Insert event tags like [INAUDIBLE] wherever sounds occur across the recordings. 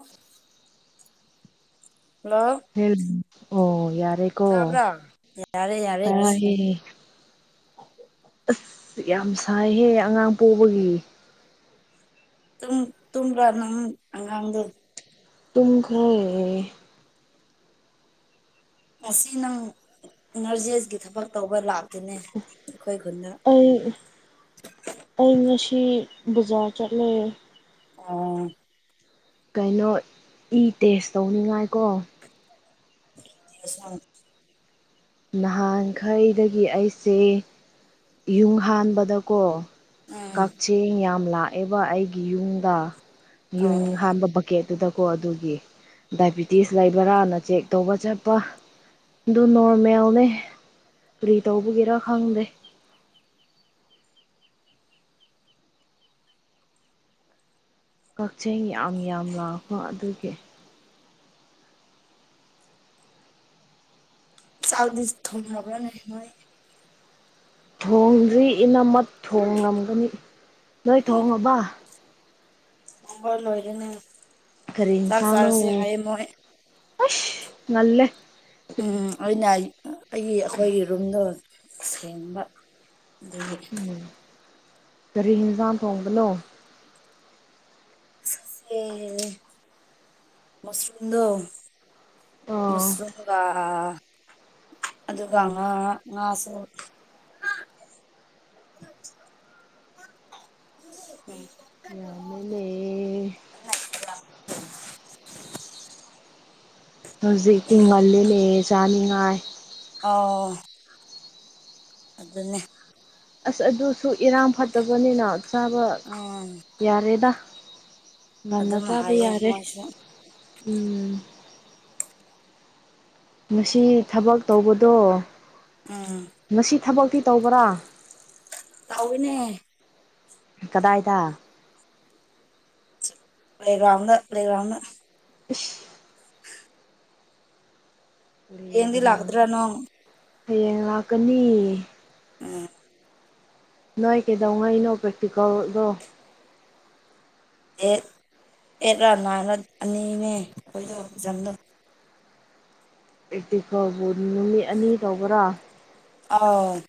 ꯑꯣ ꯍ ꯑꯣ ꯌꯥꯔꯦ ꯀꯣ ꯇꯥꯕ꯭ꯔꯥ ꯌꯥꯔꯦ ꯌꯥꯔꯦ ꯇ ꯑꯁ ꯌꯥꯝ ꯁꯥꯏꯍꯦ ꯑꯉꯥꯡ ꯄꯕꯒꯤ ꯇꯨꯡ ꯇꯨꯡ꯭ꯔꯥꯔꯅ ꯑꯉꯥꯡꯥꯡ ꯇꯨꯡꯈꯣꯏ ꯉꯁꯤ ꯅꯪ ꯏꯅꯔꯖꯤꯦꯁꯒꯤ ꯊꯕꯛ ꯇꯧꯕ ꯂꯥꯛ ꯑꯩ ꯑꯩ ꯁꯤꯤ ꯕꯖꯥꯔ ꯆꯠꯂꯦ ꯑꯣ ꯀꯩꯅꯣ ꯏ ꯇꯦꯁ ꯇꯧꯅꯤꯡꯉꯥꯏ ꯀꯣ ꯂ ꯅꯍꯥꯟꯈꯩꯗꯒꯤ ꯑꯩꯁꯦ ꯌꯨꯝ ꯍꯥꯟꯕꯗꯀꯣ ꯎꯝ ꯀꯛꯆꯦꯡ ꯌꯥꯝ ꯂꯥꯛꯑꯦꯕ ꯑꯩꯒꯤ ꯌꯨꯝꯗ ꯌ ꯑꯣ ꯍꯥꯝꯕ ꯀꯦ ꯑꯗꯨꯗ ꯀꯣ ꯑꯗꯨꯒꯤ ꯗꯥꯏꯕꯤꯇꯤꯁ ꯂꯩꯕ꯭ꯔꯥꯅ ꯆꯦꯛ ꯇꯧꯕ ꯆꯠꯄ ꯑꯗꯨ ꯅꯣꯔꯃꯦꯜꯅꯦ ꯀꯔꯤ ꯇꯧꯕꯒꯤꯦꯔ ꯈꯪꯗꯦ ꯀꯛꯆꯤꯡ ꯌꯥꯝ ꯌꯥꯝ ꯂꯥꯛꯕꯣ ꯑꯗꯨꯒꯤ ꯆꯥꯎꯗꯤꯁ ꯊꯝꯕ ꯅ ꯊꯣꯡꯗ꯭ꯔꯤ ꯏꯅꯝꯃꯠ ꯊꯣꯡꯉꯝꯒꯅꯤ ꯅꯣꯏ ꯊꯣꯡꯉꯕ ꯂꯣꯏꯗꯅ ꯈꯔꯤ ꯏꯟꯁꯥꯅꯣ ꯑꯁ ꯅꯜꯦ ꯎꯝ ꯑꯩꯅ ꯑꯩꯒꯤ ꯑꯩꯈꯣꯏꯒꯤ ꯔꯨꯝꯗꯣ ꯁꯦꯡꯕ ꯑꯗꯨ ꯎꯝ ꯀꯔꯤ ꯍꯟꯖꯥꯡꯝ ꯊꯣꯡꯕꯅꯣ ꯃꯁꯔꯝꯗꯣ ꯑꯥ ꯃꯁꯔꯝꯒ ꯑ ꯑꯗꯨꯀꯉ ꯉ ꯁꯣ [INAUDIBLE] ꯎꯝ ꯌꯥꯝꯃꯦꯟꯅ ꯂꯩ ꯑ ꯍꯧꯖꯤꯛꯇꯤ ꯉꯜꯂꯂꯦ ꯆꯥꯅꯤꯡꯉꯥꯏ ꯑꯣ ꯑꯗꯨꯗꯅꯦ ꯑꯁ ꯑꯗꯨꯁꯨ ꯏꯔꯥꯡ ꯐꯠꯇꯕꯅꯤꯅ ꯆꯥꯕ ꯎꯝ ꯌꯥꯔꯦꯗ ꯉꯟꯅ ꯑꯗꯨꯝ ꯆꯕꯩ ꯍꯥꯏꯌꯦ ꯌꯥꯔꯦ ꯃꯣꯏꯁꯨ ꯎꯝ ꯉꯁꯤ ꯊꯕꯛ ꯇꯧꯕꯗꯣ ꯎꯝ ꯉꯁꯤ ꯊꯕꯛꯇꯤ ꯇꯧꯕ꯭ꯔꯥ ꯇꯎꯅꯦ ꯀꯗꯥꯏꯗ ꯂꯩꯒ꯭ꯔꯥꯎꯗ ꯂꯩ ꯂꯩꯒ꯭ꯔꯥꯎꯅ ꯎ ꯑꯦꯗꯤ ꯀꯔꯤꯗꯔꯥ ꯂꯥꯛꯗꯔꯅꯣ ꯍꯌꯦꯡ ꯂꯥꯛꯀꯅꯤ ꯎꯝ ꯅꯥꯏ ꯀꯗꯣꯡꯉꯥꯏ ꯏꯩꯅꯣ ꯄ꯭ꯔꯀꯇꯤꯀꯦꯜꯗ ꯑꯦꯠ ꯑꯦꯠꯂ ꯅꯥꯏꯟꯔ ꯑꯅꯤꯅꯦ ꯑꯩꯈꯣꯏꯗꯣ ꯐꯖꯟꯗꯣ ꯑꯩꯤ ꯐꯥꯎꯕꯨ ꯅꯨꯃꯤꯠ ꯑꯅꯤ ꯇꯧꯕ꯭ꯔꯥ ꯑ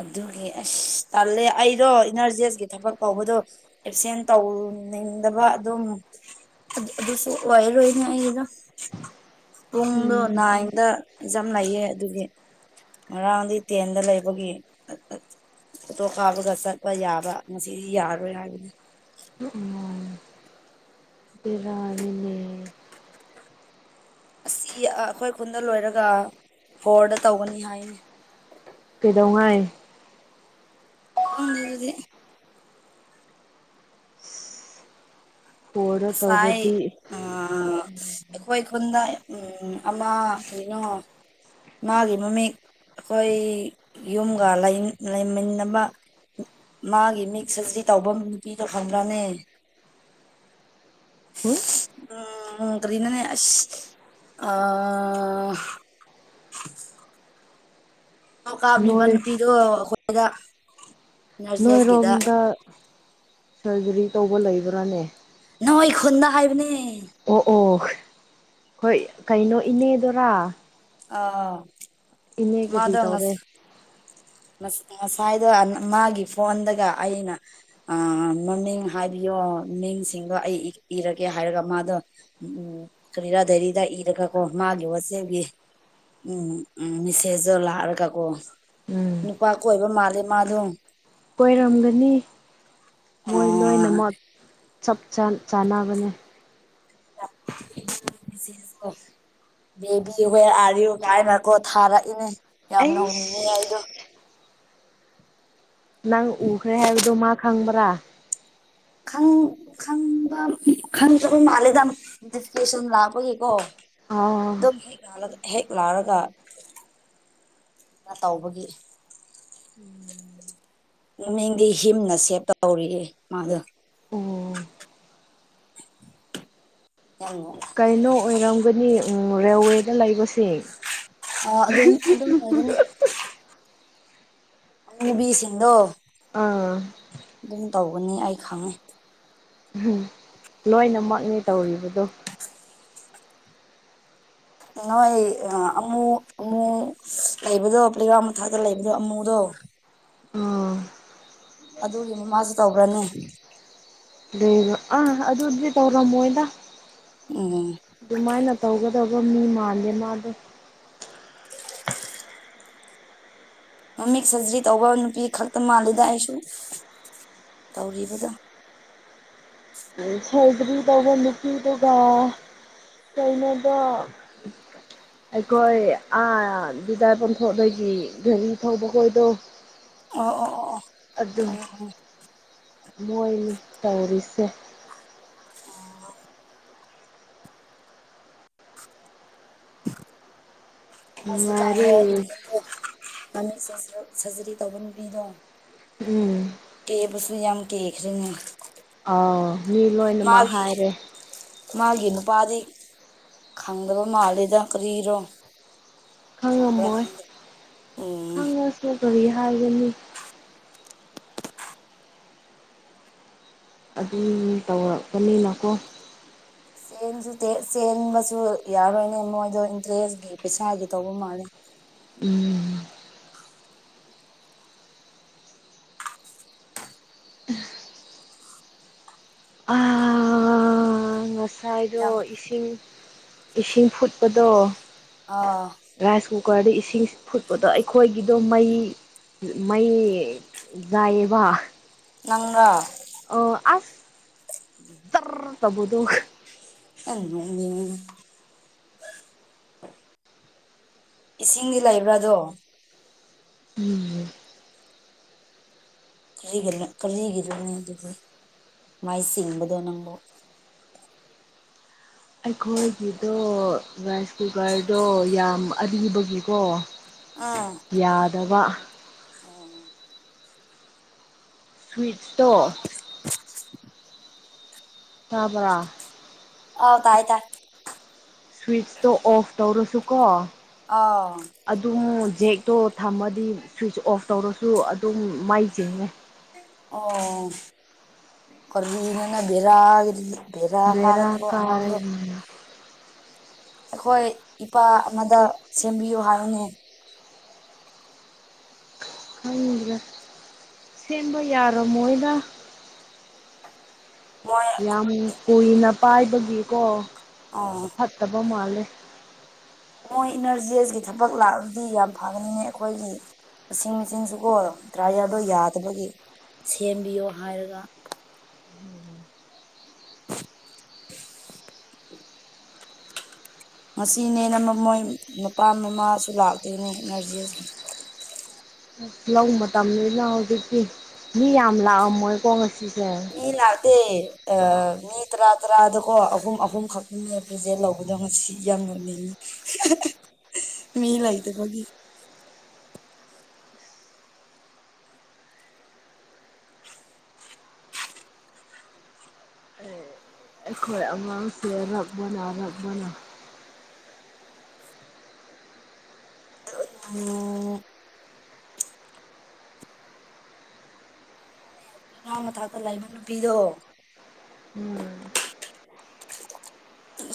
ꯑꯗꯨꯒꯤ ꯑꯁ ꯇꯜꯂꯦ ꯑꯩꯗꯣ ꯏꯅꯔꯖꯦꯁꯀꯤ ꯊꯕꯛ ꯀꯧꯕꯗꯣ ꯑꯦꯞꯁꯦꯟ ꯇꯧ ꯎ ꯅꯤꯡꯗꯕ ꯑꯗꯨꯝ ꯑꯗꯨꯁꯨ ꯑꯣꯏꯔꯣꯏꯅꯦ ꯑꯩꯗ ꯄꯨꯡꯗꯣ ꯎꯝ ꯅꯥꯏꯟꯗ ꯑꯦꯛꯖꯥꯝ ꯂꯩꯌꯦ ꯑꯗꯨꯒꯤ ꯉꯔꯥꯡꯗꯤ ꯇꯦꯟꯗ ꯂꯩꯕꯒꯤ ꯐꯣꯇꯣ ꯀꯥꯞꯄꯒ ꯆꯠꯄ ꯌꯥꯕ ꯉꯁꯤꯗꯤ ꯌꯥꯔꯔꯣꯏ ꯍꯥꯏꯕꯅꯤ ꯔꯜꯂꯜꯂꯤ ꯑꯁꯤ ꯑꯩꯈꯣꯏ ꯈꯨꯟꯗ ꯂꯣꯏꯔꯒ ꯍꯣꯔꯗ ꯇꯧꯒꯅꯤ ꯍꯥꯏꯅꯤ ꯄꯤꯗꯧꯉꯥꯏ ꯈꯥꯎꯗ ꯑꯗꯨꯗꯤ ꯐꯣꯔꯗ ꯉꯁꯥꯏ ꯇꯧꯔꯗꯤ ꯎ ꯑꯩꯈꯣꯏ ꯈꯨꯟꯗ ꯎ ꯑꯃ ꯀꯅꯣ ꯃꯥꯒꯤ ꯃꯃꯤ ꯑꯩꯈꯣꯏ ꯌꯨꯝꯒ ꯂꯩꯃꯤꯟꯅꯕ ꯃꯥꯒꯤ ꯃꯤꯛꯁ ꯑꯁꯤ ꯇꯧꯐꯝ ꯅꯨꯄꯤꯗꯣ ꯈꯪꯗ꯭ꯔꯅꯦ ꯎ ꯎꯝ ꯀꯅꯅꯦ ꯑ [UNINTELLIGIBLE] ꯀꯥꯞꯂꯤꯕ ꯅꯣꯏ ꯅꯨꯄꯤꯗꯣ ꯑꯩꯈꯣꯏꯗ ꯅꯔꯖꯦꯁꯀꯤꯗ ꯅꯣꯏꯔꯣꯝꯗ ꯁꯔꯖꯔꯤ ꯇꯧꯕ ꯂꯩꯕ꯭ꯔꯥꯅꯦ ꯅꯣꯏꯣꯏ ꯈꯨꯟꯗ ꯍꯥꯏꯕꯅꯦ ꯑꯣ ꯑꯣ ꯍꯣꯏ ꯀꯩꯅꯣ ꯏꯅꯦꯗꯔꯥ ꯑꯥ ꯏꯅꯦ ꯀꯗꯤ ꯃꯥꯗꯣ ꯇꯧꯔꯦ ꯉꯁꯥꯏꯗꯣ ꯃꯥꯒꯤ ꯐꯣꯟꯗꯒ ꯑꯩꯅ ꯃꯃꯤꯡ ꯍꯥꯏꯕꯤꯌꯣ ꯃꯤꯡꯁꯤꯡꯗꯣ ꯑꯩ ꯏꯔꯒꯦ ꯍꯥꯏꯔꯒ ꯃꯥꯗꯣ ꯎ ꯁꯨꯔꯤꯔꯥ ꯗꯦꯔꯤꯗ ꯏꯔꯒꯀꯣ ꯃꯥꯒꯤ ꯋꯥꯆꯦꯞꯀꯤ ꯎꯝ ꯎ ꯃꯦꯁꯦꯖꯇꯣ ꯂꯥꯛꯑꯔꯒꯀꯣ ꯎꯝ ꯅꯨꯄꯥ ꯀꯣꯏꯕ ꯃꯥꯜꯂꯦ ꯃꯥꯗꯣ ꯀꯣꯏꯔꯝꯒꯅꯤ ꯃꯣꯏ ꯂꯣꯏꯅꯃꯛ ꯆꯞ ꯆꯥꯅꯕꯅꯦ [UNINTELLIGIBLE] ꯦ ꯀꯣ ꯕꯦꯕꯤ ꯍꯋꯦ ꯑꯥꯔ ꯌꯨ ꯀꯥꯏꯅ ꯀꯣ ꯊꯥꯔꯛꯏꯅꯦ ꯌꯥꯝꯅ ꯍꯣꯡꯅꯤꯡꯉ ꯑꯩꯗꯣ ꯑꯩꯁ ꯅꯪ ꯎꯈ꯭ꯔꯦ ꯍꯥꯏꯕꯗꯣ ꯃꯥ ꯈꯪꯕ꯭ꯔꯥ ꯈꯪꯕ ꯈꯪꯗꯕ ꯃꯥꯜꯂꯦꯗ ꯗꯤꯐꯤꯀꯦꯁꯟ ꯂꯥꯛꯄꯒꯤꯀꯣ ꯑꯥ ꯍ ꯍ ꯂꯥꯛꯔꯒ ꯇꯧꯕꯒꯤ ꯃꯃꯤꯡꯗꯤ ꯍꯤꯝꯅ ꯁꯦꯞ ꯇꯧꯔꯤꯌꯦ ꯃꯥꯗꯣ ꯑꯣ [UNINTELLIGIBLE] ꯀꯩꯅꯣ ꯑꯣꯏꯔꯝꯒꯅꯤ ꯎ ꯔꯦꯜꯋꯦꯗ ꯂꯩꯕꯁꯦ ꯑ ꯑꯗꯨ ꯑꯗꯨꯝ ꯑꯗꯨꯅꯤ ꯑꯕꯤ ꯁꯤꯗꯣ ꯑꯥ ꯅꯤ ꯑꯩ ꯈꯪꯉꯤ ꯎꯝ ꯂꯣꯏꯅꯃꯛꯅꯦ ꯇꯧꯔꯤꯕꯗꯣ ꯅꯣꯏ ꯑꯃꯨ ꯑꯃꯨ ꯂꯩꯕꯗꯣ ꯄ꯭ꯂꯦꯒ꯭ꯔꯥꯎ ꯃꯊꯥꯛꯇ ꯂꯩꯕꯗꯣ ꯑꯃꯨꯗꯣ [INAUDIBLE] ꯑꯥ ꯑꯗꯨꯒꯤ ꯃꯃꯥꯁꯨ ꯇꯧꯕ꯭ꯔꯅꯦ ꯂꯩꯔꯣ ꯑꯥ ꯑꯗꯨꯗꯤ ꯇꯧꯔꯝꯃꯣꯏꯗ ꯎꯝ ꯑꯗꯨꯃꯥꯏꯅ ꯇꯧꯒꯗ ꯑꯗꯨꯒꯕ ꯃꯤ ꯃꯥꯥꯟꯂ ꯃꯥꯗ ꯃꯃꯤꯡ ꯁꯔꯖꯔꯤ ꯇꯧꯕ ꯅꯨꯄꯤ ꯈꯛꯇ ꯃꯥꯜꯂꯤꯗ ꯑꯩꯁꯨ ꯇꯧꯔꯤꯕꯗꯣ ꯎ ꯁꯗꯔꯤ ꯇꯧꯕ ꯅꯨꯄꯤꯗꯨꯒ ꯀꯅꯗ ꯑꯩꯈꯣꯏꯥ ꯗꯥꯏ ꯄꯣꯟꯊꯣꯛꯗꯒꯤ ꯘꯔꯤ ꯊꯄ ꯈꯣꯏꯗꯣ ꯑꯣ ꯑꯣ ꯑꯣ ꯑꯗꯨꯝ ꯈꯪꯉꯦ ꯈꯪꯉꯦ ꯃꯣꯏ ꯇꯧꯔꯤꯁꯦ ꯍꯧꯖꯤꯀꯥꯟ ꯅꯨꯡꯉꯥꯏꯔꯦ ꯏꯅꯦꯅꯦ ꯃꯃꯤꯡ ꯁꯔꯖꯔꯤ ꯇꯧꯕ ꯅꯨꯄꯤꯗꯣ ꯎꯝ ꯁꯨ ꯌꯥꯝ ꯀꯦꯈ꯭ꯔꯦꯅꯦ ꯑꯥꯎ ꯃꯤ ꯂꯣꯏꯅꯃꯛ ꯃꯥꯒꯤ ꯍꯥꯏꯔꯦ ꯃꯥꯒꯤꯅ ꯕꯥꯔꯤ ꯈꯪꯗꯕ ꯃꯥꯜꯂꯤꯦꯗ ꯀꯔꯤꯔꯣ ꯈꯕ ꯈꯪꯉꯝꯃꯣꯏ ꯈ ꯎꯝ ꯈꯪꯉꯁꯨ ꯀꯔꯤ ꯍꯥꯏꯒꯅꯤ ꯑꯗꯨꯝ ꯇꯧꯔꯛꯀꯅꯤꯅꯀꯣ ꯆꯦꯟꯁꯨ ꯆꯦꯟꯕꯁꯨ ꯌꯥꯔꯣꯏꯅꯦ ꯃꯣꯏꯗ ꯏꯟꯇꯔꯦꯁꯀꯤ ꯄꯩꯁꯥꯒꯤ ꯇꯧꯕ ꯃꯥꯜꯂꯦ ꯎꯝ ꯑꯥ ꯉꯁꯥꯏꯗꯣ ꯌꯥꯝ ꯏꯁꯤꯡ ꯏꯁꯤꯡ ꯐꯨꯠꯄꯗꯣ ꯑꯥ ꯔꯥꯏꯁ ꯀꯨꯀꯔꯗ ꯏꯁꯤꯡ ꯐꯨꯠꯄꯗꯣ ꯑꯩꯈꯣꯏꯒꯤꯗꯣ ꯃꯩ ꯃꯩ ꯌꯦꯕ ꯅꯪꯉꯣ ꯑꯣ ꯑꯁ ꯇꯔ ꯇꯕꯨꯗꯨꯣ ꯑ ꯏꯁꯤꯡꯗꯤ ꯂꯩꯕ꯭ꯔꯥꯗꯣ ꯎꯝ ꯔꯤ ꯀꯔꯤꯒꯤꯗꯨꯣꯅꯦ ꯑꯗꯨꯕꯨ ꯃꯥꯏ ꯆꯁꯤꯡꯕꯗꯣ ꯅꯪꯕꯨ ꯑꯩꯈꯣꯏꯒꯤꯗꯣ ꯔꯥꯏꯁ ꯀꯨꯀꯔꯗꯣ ꯌꯥꯝ ꯑꯔꯤꯕꯒꯤꯀꯣ ꯎꯝ ꯌꯥꯗꯕ ꯁ꯭ꯨꯏꯠꯠꯇ ꯇꯥꯕ꯭ꯔꯥ ꯍꯥꯎ ꯇꯥꯏ ꯇ ꯁ꯭ꯋꯤꯆꯇꯣ ꯑꯣꯐ ꯇꯧꯔꯁꯨꯀꯣ ꯑꯥ ꯑꯗꯨꯝ ꯖꯦꯛꯇꯣ ꯊꯝꯃꯗꯤ ꯁ꯭ꯋꯤꯆ ꯑꯣꯐ ꯇꯧꯔꯁꯨ ꯁꯨ ꯑꯗꯨꯝ ꯃꯥꯏ ꯆꯤꯡꯉꯦ ꯑꯣ ꯀꯔꯕꯤꯅꯅ ꯦꯔꯒꯤꯔꯗꯤ ꯐꯔ ꯕꯦꯔꯥ ꯀꯥꯔꯦ ꯀꯥꯗꯅꯉꯥꯡꯒ ꯎꯝ ꯑꯩꯈꯣꯏ ꯏꯄꯥ ꯑꯃꯗ ꯁꯦꯝꯕꯤꯌꯨ ꯍꯥꯏꯅꯦ ꯍꯪꯗ꯭ꯔꯦ ꯁꯦꯝꯕ ꯌꯥꯔꯣ ꯃꯣꯏꯗ ꯃꯣꯏ ꯌꯥꯝ ꯀꯨꯏꯅ ꯄꯥꯏꯕꯒꯤꯀꯣ ꯑꯥ ꯐꯠꯇꯕ ꯃꯥꯜꯂꯦ ꯃꯣꯏ ꯏꯅꯔꯖꯤꯁꯀꯤ ꯊꯕꯛ ꯂꯥꯛꯑꯕꯗꯤ ꯌꯥꯝ ꯐꯒꯅꯤꯉꯦ ꯑꯩꯈꯣꯏꯒꯤ ꯏꯁꯤꯡ ꯃꯆꯤꯟꯁꯨꯀꯣ ꯗ꯭ꯔꯥ ꯌꯥꯗ ꯌꯥꯗꯕꯒꯤ ꯁꯦꯝꯕꯤꯌꯣ ꯍꯥꯏꯔꯒ ꯉꯁꯤꯅꯦꯅ ꯃ ꯃꯣꯏ ꯃꯄꯥ ꯃꯃꯥꯁꯨ ꯂꯥꯛꯇꯣꯏꯅꯦ ꯅꯔꯖꯤ ꯑꯁꯤ ꯂꯧꯕ ꯃꯇꯝꯅ ꯍꯧꯖꯤꯛꯇꯤ ꯃꯤ ꯌꯥꯝ ꯂꯥꯛꯑꯝꯃꯣꯏꯀꯣ ꯉꯁꯤꯁꯦ ꯦ ꯃꯤ ꯇꯔꯥ ꯇꯔꯥꯗꯀꯣ ꯑꯍꯨꯝ ꯑꯍꯨꯝ ꯈꯛꯇꯅꯦ ꯄ꯭ꯔꯖꯦꯟ ꯂꯧꯕꯗꯣ ꯉꯁꯤ ꯌꯥꯝ ꯑ ꯃꯤ ꯂꯥꯏꯗ ꯐꯒꯤ ꯑꯩꯈꯣꯏ ꯑꯉꯥꯡꯁꯦ ꯔꯞꯕꯅ ꯔꯞꯕꯅ ꯎꯝ ꯑꯉꯥꯡ ꯃ ꯊꯥꯛꯇ ꯂꯩꯕ ꯅꯨꯄꯤꯗꯣ ꯎꯝ ꯑ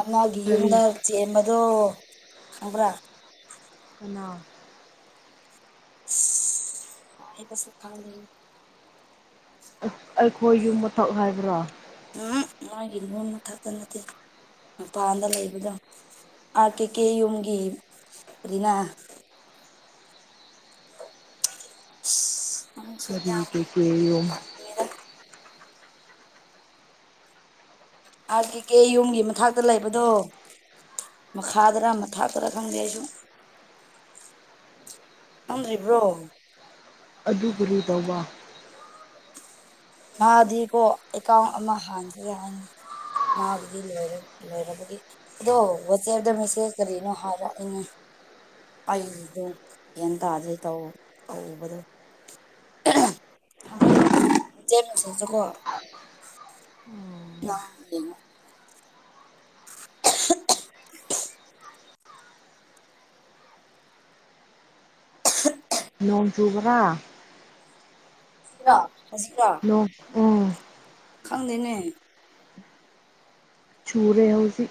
ꯑꯃꯒꯤ ꯀꯔꯤ ꯌꯨꯝꯗ ꯆꯦꯟꯕꯗꯣ ꯈꯪꯕ꯭ꯔꯥ ꯎ ꯍ ꯀꯁ ꯈꯥꯎꯗ ꯑꯩꯈꯣꯏ ꯌꯨꯝ ꯃꯊꯛ ꯍꯥꯏꯕ꯭ꯔꯣ ꯎꯝ ꯃꯥꯒꯤ ꯅꯨꯝ ꯃꯊꯛꯇ ꯅꯠꯇꯦ ꯃꯄꯥꯟꯗ ꯂꯩꯕꯗꯣ ꯑ ꯀꯦ ꯀꯦ ꯌꯨꯝꯒꯤ ꯑꯗꯨꯅ ꯅꯪꯁꯨ ꯁ ꯌꯥꯝ ꯀꯦ ꯀꯣ ꯄꯪꯉꯦꯗ ꯑꯥꯔ ꯀꯦ ꯀꯦ ꯌꯨꯝꯒꯤ ꯃꯊꯛꯇ ꯂꯩꯕꯗꯣ ꯃꯈꯥꯗꯔꯥ ꯃꯊꯥꯞꯇꯔ ꯈꯪꯗꯦ ꯑꯩꯁꯨ ꯅꯗꯔꯤꯕ꯭ꯔꯣ ꯑꯗꯨ ꯀꯨꯔꯨ ꯇꯧꯕ ꯃꯥꯗꯤꯀꯣ ꯑꯦꯀꯥꯎꯟ ꯑꯃ ꯍꯥꯡꯒꯦ ꯍꯥꯏꯅꯤ ꯃꯥꯒꯤꯗꯤ ꯂꯣꯏ ꯂꯣꯏꯔꯕꯒꯤ ꯑꯗꯣ ꯋꯥꯆꯦꯞꯇ ꯃꯦꯁꯦꯖ ꯀꯔꯤꯅꯣ ꯍꯥꯏꯔꯛꯏꯅꯦ ꯑꯩꯨꯗꯣ ꯍꯦꯟꯅ ꯇꯥꯗꯩ ꯇ ꯇꯕꯗꯣ ꯖ ꯀ ꯑꯅ [UNINTELLIGIBLE] [INAUDIBLE] ꯅꯣꯡꯣꯟ ꯆꯨꯕ꯭ꯔꯥ ꯁꯤꯔ ꯍꯁꯤꯔ ꯅꯣꯡ ꯑꯣ ꯈꯪꯗꯦꯅꯦ ꯆꯨꯔꯨꯔꯦ ꯍꯧꯖꯤꯛ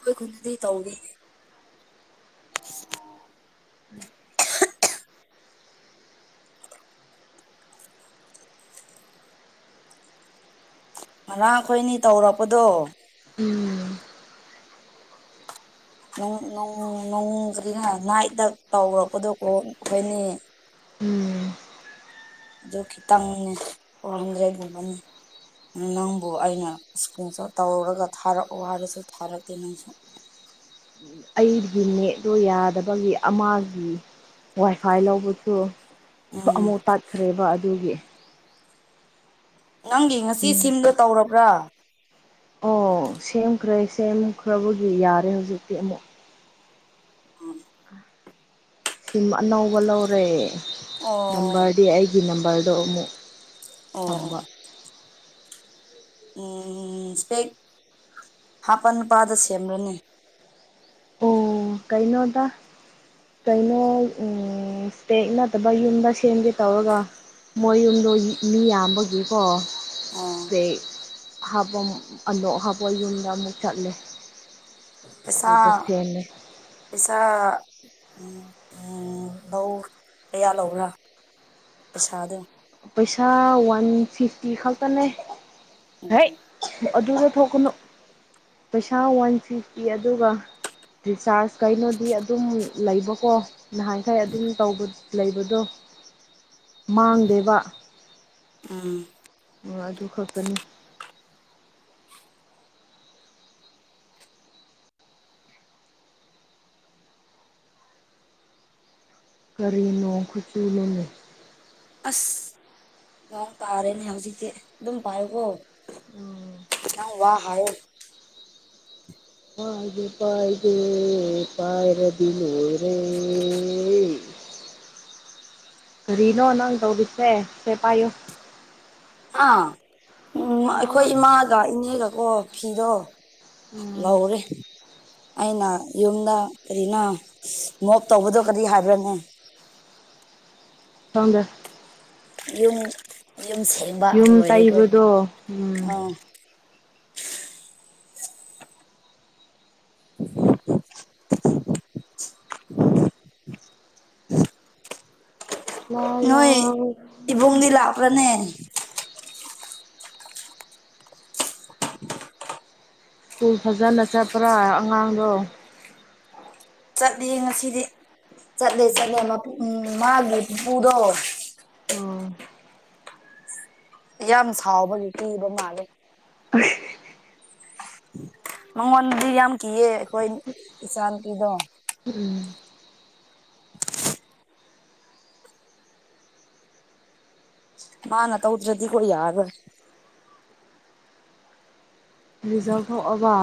ꯑꯩꯣꯏ ꯈꯨꯨꯝꯅꯗꯤ ꯇꯧꯒꯦ [UNINTELLIGIBLE] ꯃꯔꯥꯡ ꯈꯣꯏꯅꯤ ꯇꯧꯔꯛꯄꯗꯣ ꯎꯝ ꯅꯣꯡꯗꯤꯅ ꯅꯥꯏꯗ ꯇꯧꯔꯛꯄꯗꯀꯣ ꯑꯩꯈꯣꯏꯅꯤ ꯎꯝ ꯑꯗꯨ ꯈꯤꯇꯪꯅꯦ ꯍꯝꯖꯩꯒꯨꯝꯕꯅꯦ ꯑꯗꯨ ꯅꯪꯕꯨ ꯑꯩꯅ ꯁ꯭ꯀꯨꯜ ꯇꯧꯔꯒ ꯊꯥꯔꯛꯑꯣ ꯍꯥꯏꯔꯁꯨ ꯊꯥꯔꯛꯇꯦ ꯅꯪꯁꯨ [INAUDIBLE] ꯑꯩꯒꯤ ꯅꯦꯠꯇꯣ ꯌꯥꯗꯕꯒꯤ ꯑꯃꯒꯤ ꯋꯥꯏꯐꯥꯏ ꯂꯧꯕꯁꯨ ꯎꯝ ꯑꯃꯨꯛ ꯇꯥꯠꯈ꯭ꯔꯦꯕ ꯑꯗꯨꯒꯤ ꯅꯪꯒꯤ ꯉꯁꯤ ꯁꯤꯝꯗꯣ ꯇꯧꯔꯕ꯭ꯔꯥ ꯑꯣ ꯁꯦꯝꯈ꯭ꯔꯦ ꯁꯦꯝꯈ꯭ꯔꯕꯒꯤ ꯌꯥꯔꯦ ꯍꯧꯖꯤꯛꯇꯤ ꯑꯃꯨꯛ ꯎꯝ ꯁꯤꯝ ꯑꯅꯧꯕ ꯂꯧꯔꯦ ꯑꯣ ꯅꯝꯕꯔꯗꯤ ꯑꯩꯒꯤ ꯅꯝꯕꯔꯗꯣ ꯑꯃꯨꯛ ꯑꯣ ꯑꯣ ꯊꯝꯕ ꯎꯝ ꯏꯁꯄꯦꯛ ꯍꯥꯞꯄ ꯅꯨꯨꯄꯥꯗ ꯁꯦꯝꯂꯅꯤ ꯎ ꯀꯩꯅꯩꯅꯣꯗ ꯀꯩꯅꯣ ꯎꯝ ꯏꯁꯦꯛ ꯅꯠꯇꯕ ꯌꯨꯝꯗ ꯁꯦꯝꯒꯦ ꯇꯧꯔꯒ ꯃꯣꯏꯌꯨꯝꯗꯣ ꯃꯤ ꯌꯥꯝꯕꯒꯤꯀꯣ ꯑꯣ ꯄ ꯍꯥꯄꯝ ꯑꯗꯣ ꯍꯥꯞꯄ ꯌꯨꯝꯗ ꯃꯨꯆꯥꯠꯂꯦ ꯄꯩꯁꯥ ꯑꯗꯨꯗꯁꯤꯦꯅꯤ ꯄꯩꯁꯥ ꯂꯧ ꯀꯌꯥ ꯂꯧꯕ꯭ꯔꯥ ꯄꯁꯥꯗꯣ ꯄꯩꯁꯥ ꯋꯥꯟ ꯐꯤꯐꯇꯤ ꯈꯛꯇꯅꯦ ꯍ ꯎꯝ ꯑꯗꯨ ꯀꯥꯊꯣꯛꯀꯅꯨ ꯄꯩꯁꯥ ꯋꯥꯟ ꯐꯤꯐꯇꯤ ꯑꯗꯨꯒ ꯔꯤꯆꯥꯔꯖ ꯀꯩꯅꯣꯗꯤ ꯑꯗꯨꯝ ꯂꯩꯕꯀꯣ ꯅꯍꯥꯟꯈꯩ ꯑꯗꯨꯝ ꯇ ꯂꯩꯕꯗꯣ [UNINTELLIGIBLE] ꯃꯥꯡꯗꯦꯕ ꯑꯥ ꯑꯣ ꯑꯗꯨ ꯈꯛꯇꯅꯤ ꯀꯔꯤꯅꯣ ꯈꯨꯠꯆꯨ ꯂꯣꯂꯨ ꯑꯁ ꯂ ꯇꯥꯔꯦꯅꯦ ꯍꯧꯖꯤꯛꯇꯤ ꯑꯗꯨꯝ ꯄꯥꯏꯌꯀꯣ ꯎꯝ ꯑ ꯋꯥ ꯍꯥꯏ ꯄꯥꯏꯗ ꯄꯥꯏꯗ ꯄꯥꯏꯔꯗ ꯑꯣꯔꯦ [UNINTELLIGIBLE] ꯔꯔꯤꯅꯣ ꯅꯪ ꯇꯧꯒꯤꯁꯦ ꯁꯤꯦꯄꯌꯣ ꯑꯥ ꯎꯝ ꯑꯩꯈꯣꯏ ꯏꯃꯥꯒ ꯏꯅꯦꯒꯀꯣ ꯐꯤꯗꯣ ꯎꯝ ꯂꯎꯔꯤꯦ ꯑꯩꯅ ꯌꯨꯝꯗ ꯀꯔꯤꯅ ꯃꯣꯞ ꯇꯧꯕꯗꯣ ꯀꯔꯤ ꯍꯥꯏꯕ꯭ꯔꯅꯤ [UNINTELLIGIBLE] ꯊꯪꯗ ꯌꯨꯝ ꯌꯨꯝ ꯁꯦꯡꯕ ꯌꯨꯝ ꯑꯣꯏꯔꯦꯀꯣ ꯇꯩꯕꯗꯣ ꯎꯝ ꯑꯥ ꯂꯥ ꯂꯥ ꯅꯣꯏ ꯏꯕꯨꯡꯗꯤ ꯂꯥꯛꯄ꯭ꯔꯅꯦ ꯁ꯭ꯀꯨꯜ ꯐꯖꯅ ꯆꯠꯄ꯭ꯔꯥ ꯑꯉꯥꯡꯗꯣ ꯆꯠꯂꯤ ꯉꯁꯤꯗꯤ ꯆꯠꯂꯦ ꯆꯠꯂꯦ ꯎꯝ ꯃꯥꯒꯤꯠ ꯄꯨꯗ ꯑꯣ ꯌꯥꯝ ꯁꯥꯎꯕꯒꯤ ꯀꯤꯕ ꯃꯥꯜꯂꯦ ꯍ ꯃꯉꯣꯟꯗꯤ ꯌꯥꯝ ꯀꯤꯌꯦ ꯑꯩꯈꯣꯏ ꯏꯆꯥ ꯅꯨꯨꯄꯤꯗꯣ ꯎꯝ ꯃꯥꯅ ꯇꯧꯗ꯭ꯔꯗꯤ ꯀꯣꯏ ꯌꯥꯔ ꯔꯤꯖꯜ ꯊꯣꯛꯑꯕ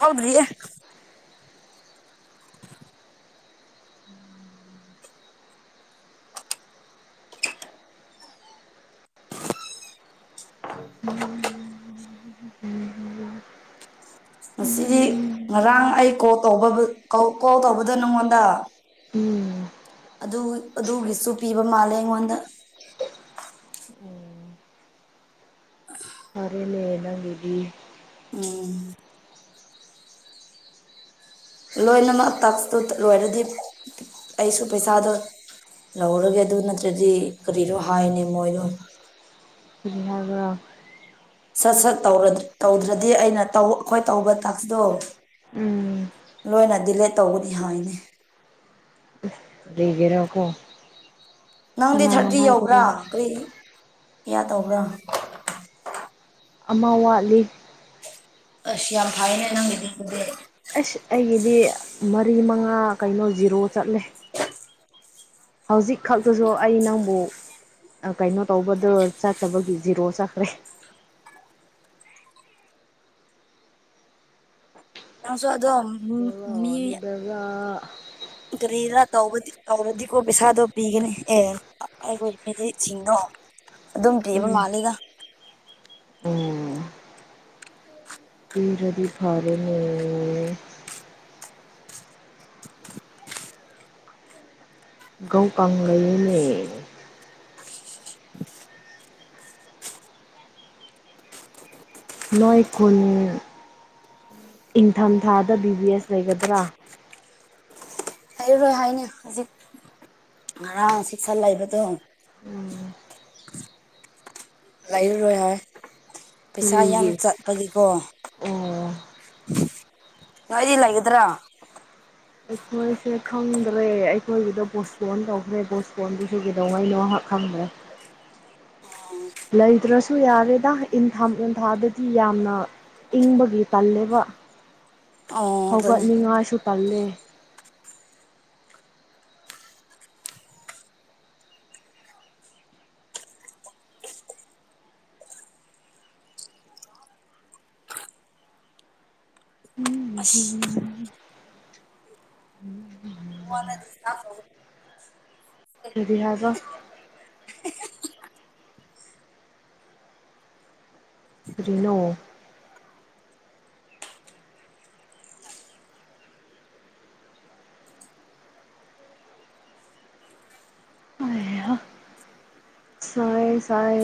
ꯍꯥꯎꯗ꯭ꯔꯤ ꯉꯁꯤꯗꯤ ꯉꯔꯥꯡ ꯑꯩ ꯀꯣꯜ ꯇ ꯀꯣꯜ ꯇꯧꯕꯗꯣ ꯅꯉꯣꯟꯗ ꯎꯝ ꯑꯗꯨ ꯑꯗꯨꯒꯤꯁꯨ ꯄꯤꯕ ꯃꯥꯜꯂꯦ ꯑꯩꯉꯣꯟꯗ ꯁꯔꯦ ꯂꯅꯒꯤꯗꯤ ꯎꯝ ꯂꯣꯏꯅꯃꯛ ꯇ ꯂꯣꯏꯔꯗꯤ ꯑꯩꯁꯨ ꯄꯩꯁꯥꯗꯣ ꯂꯧꯔꯒꯦ ꯑꯗꯨ ꯅꯠꯇ꯭ꯔꯗꯤ ꯀꯔꯤꯅꯣ ꯍꯥꯏꯅꯤ ꯃꯣꯏꯗꯣ ꯕꯤꯍꯥꯗ ꯁꯠ ꯁꯠ ꯇꯧꯗ꯭ꯔꯗꯤ ꯑꯩꯅ ꯑꯩꯈꯣꯏ ꯇꯧꯕ ꯇꯥꯛꯗꯣ ꯎꯝ ꯂꯣꯏꯅ ꯗꯤꯂꯦ ꯇꯧꯒꯅꯤ ꯍꯥꯏꯅꯤ ꯂꯩꯒꯔꯣꯀ ꯅꯪꯗꯤ ꯊꯥꯔꯇꯤ ꯌꯧꯕ꯭ꯔꯥ ꯀꯔꯤ ꯏꯌꯥ ꯇꯧꯕ꯭ꯔꯥ ꯑꯃ ꯋꯥꯠꯂꯤ ꯑꯁꯤ ꯌꯥꯝ ꯐꯥꯏꯅꯦꯅꯪ ꯃꯗꯤ ꯑꯁ ꯑꯩꯒꯤꯗꯤ ꯃꯔꯤ ꯃꯉꯥ ꯀꯩꯅꯣ ꯖꯤꯔꯣ ꯆꯠꯂꯦ ꯍꯧꯖꯤꯛ ꯈꯛꯇꯁꯨ ꯑꯩ ꯅꯪꯕꯨ ꯀꯩꯅꯣ ꯇꯧꯕꯗ ꯆꯠꯇꯕꯒꯤ ꯖꯤꯔꯣ ꯆꯠꯈ꯭ꯔꯦ [UNINTELLIGIBLE] ꯅꯁꯨꯣ ꯑꯗꯣꯝ ꯃꯤ ꯕꯦꯔꯥ ꯅꯤ ꯕꯦꯔꯥ ꯀꯔꯤꯅ ꯇ ꯇꯧꯕꯗꯤꯀꯣ ꯄꯩꯁꯥꯗꯣ ꯄꯤꯒꯅꯤ ꯑꯦ ꯑꯩꯈꯣꯏ ꯆꯤꯡꯉꯣ ꯑꯗꯨꯝꯇꯕ ꯎꯝ ꯃꯥꯜꯂꯤꯒ ꯎꯝ ꯔꯗꯤ ꯐꯔꯅꯤ ꯉꯧ ꯀꯥꯡꯪ ꯂꯩꯅꯦ ꯂꯣꯏ ꯈꯨꯣꯅꯦ ꯏꯪꯊꯝꯊꯥꯗ ꯕꯤ ꯕꯤ ꯑꯦꯁ ꯂꯩꯒꯗ꯭ꯔꯥ ꯍꯥꯏꯔꯔꯣꯏ ꯍꯥꯏꯅꯤ ꯍꯧꯖꯤꯛ ꯉꯔꯥꯡ ꯁꯤꯁꯥ ꯂꯩꯕꯗꯣ ꯎꯝ ꯂꯩꯥꯏꯔꯨꯔꯣꯏ ꯍꯥꯏ ꯄꯩꯁꯥ ꯌꯥꯝ ꯀꯔꯤꯒꯤ ꯆꯠꯄꯒꯤꯀꯣ ꯑꯣ ꯉꯗꯤꯂꯒꯗ꯭ꯔꯥ ꯃꯣꯏꯁꯦ ꯈꯪꯗ꯭ꯔꯦ ꯑꯩꯈꯣꯏꯒꯤꯗ ꯄꯣꯁꯄꯣꯟ ꯇꯧꯈ꯭ꯔꯦ ꯄꯣꯁꯄꯣꯟꯗꯨꯁꯨ ꯀꯩꯗꯧꯉꯩꯅꯣꯥꯛ ꯈꯪꯗ꯭ꯔꯦ ꯎ ꯂꯩꯇ꯭ꯔꯁꯨ ꯌꯥꯔꯦꯗ ꯏꯟꯊꯝ ꯏꯟꯊꯥꯗꯗꯤ ꯌꯥꯝꯅ ꯏꯪꯕꯒꯤ ꯇꯜꯂꯦꯕ ꯑꯣ ꯑꯗꯨꯅꯦ ꯍꯧꯒꯠꯅꯤꯉꯥꯏꯁꯨ ꯄꯜꯂꯦ ꯎꯝ ꯎꯝ ꯃꯉꯣꯟꯗꯗꯤ ꯐꯗꯤꯍꯖ ꯔꯤꯅꯣ ꯁꯥꯏ ꯁꯥꯏ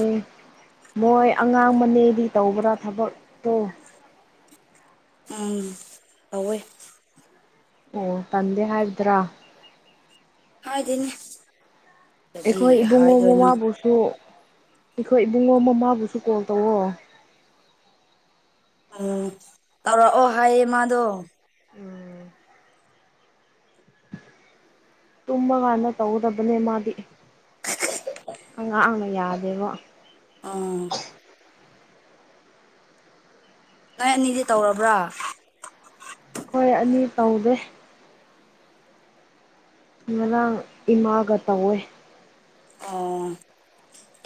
ꯃꯣꯏ ꯑꯉꯥꯡ ꯃꯅꯦꯗꯤ ꯇꯧꯕ꯭ꯔꯥ ꯊꯕꯛꯇꯣ ꯑꯥ ꯑꯣ ꯇꯗꯦ ꯍꯥꯏꯥꯔꯗ꯭ꯔꯥ ꯍꯥꯎꯗꯅꯦ ꯑꯩꯈꯣꯏ ꯏꯕꯨꯡꯉꯣ ꯃꯃꯥ ꯁꯨ ꯑꯩꯈꯣꯏ ꯏꯕꯨꯡꯉꯣ ꯃꯃꯥꯕꯨꯁꯨ ꯀꯣꯜ ꯇꯧꯋꯣ ꯚꯥꯏꯃꯗꯣ ꯎꯝ ꯇꯨꯝꯃꯀꯥꯟꯗ ꯇꯧꯒꯗꯕꯅꯦ ꯃꯥꯗꯤ ꯑ ꯑ ꯌꯥꯗꯦꯕꯣ ꯎꯝ ꯅꯣꯏ ꯑꯅꯤꯗꯤ ꯇꯧꯔꯕ꯭ꯔꯥ ꯍꯣꯏ ꯑꯅꯤ ꯇꯧꯗꯦ ꯉꯔꯥꯡ ꯏꯃꯥꯒ ꯇꯧꯋꯦ ꯑꯣ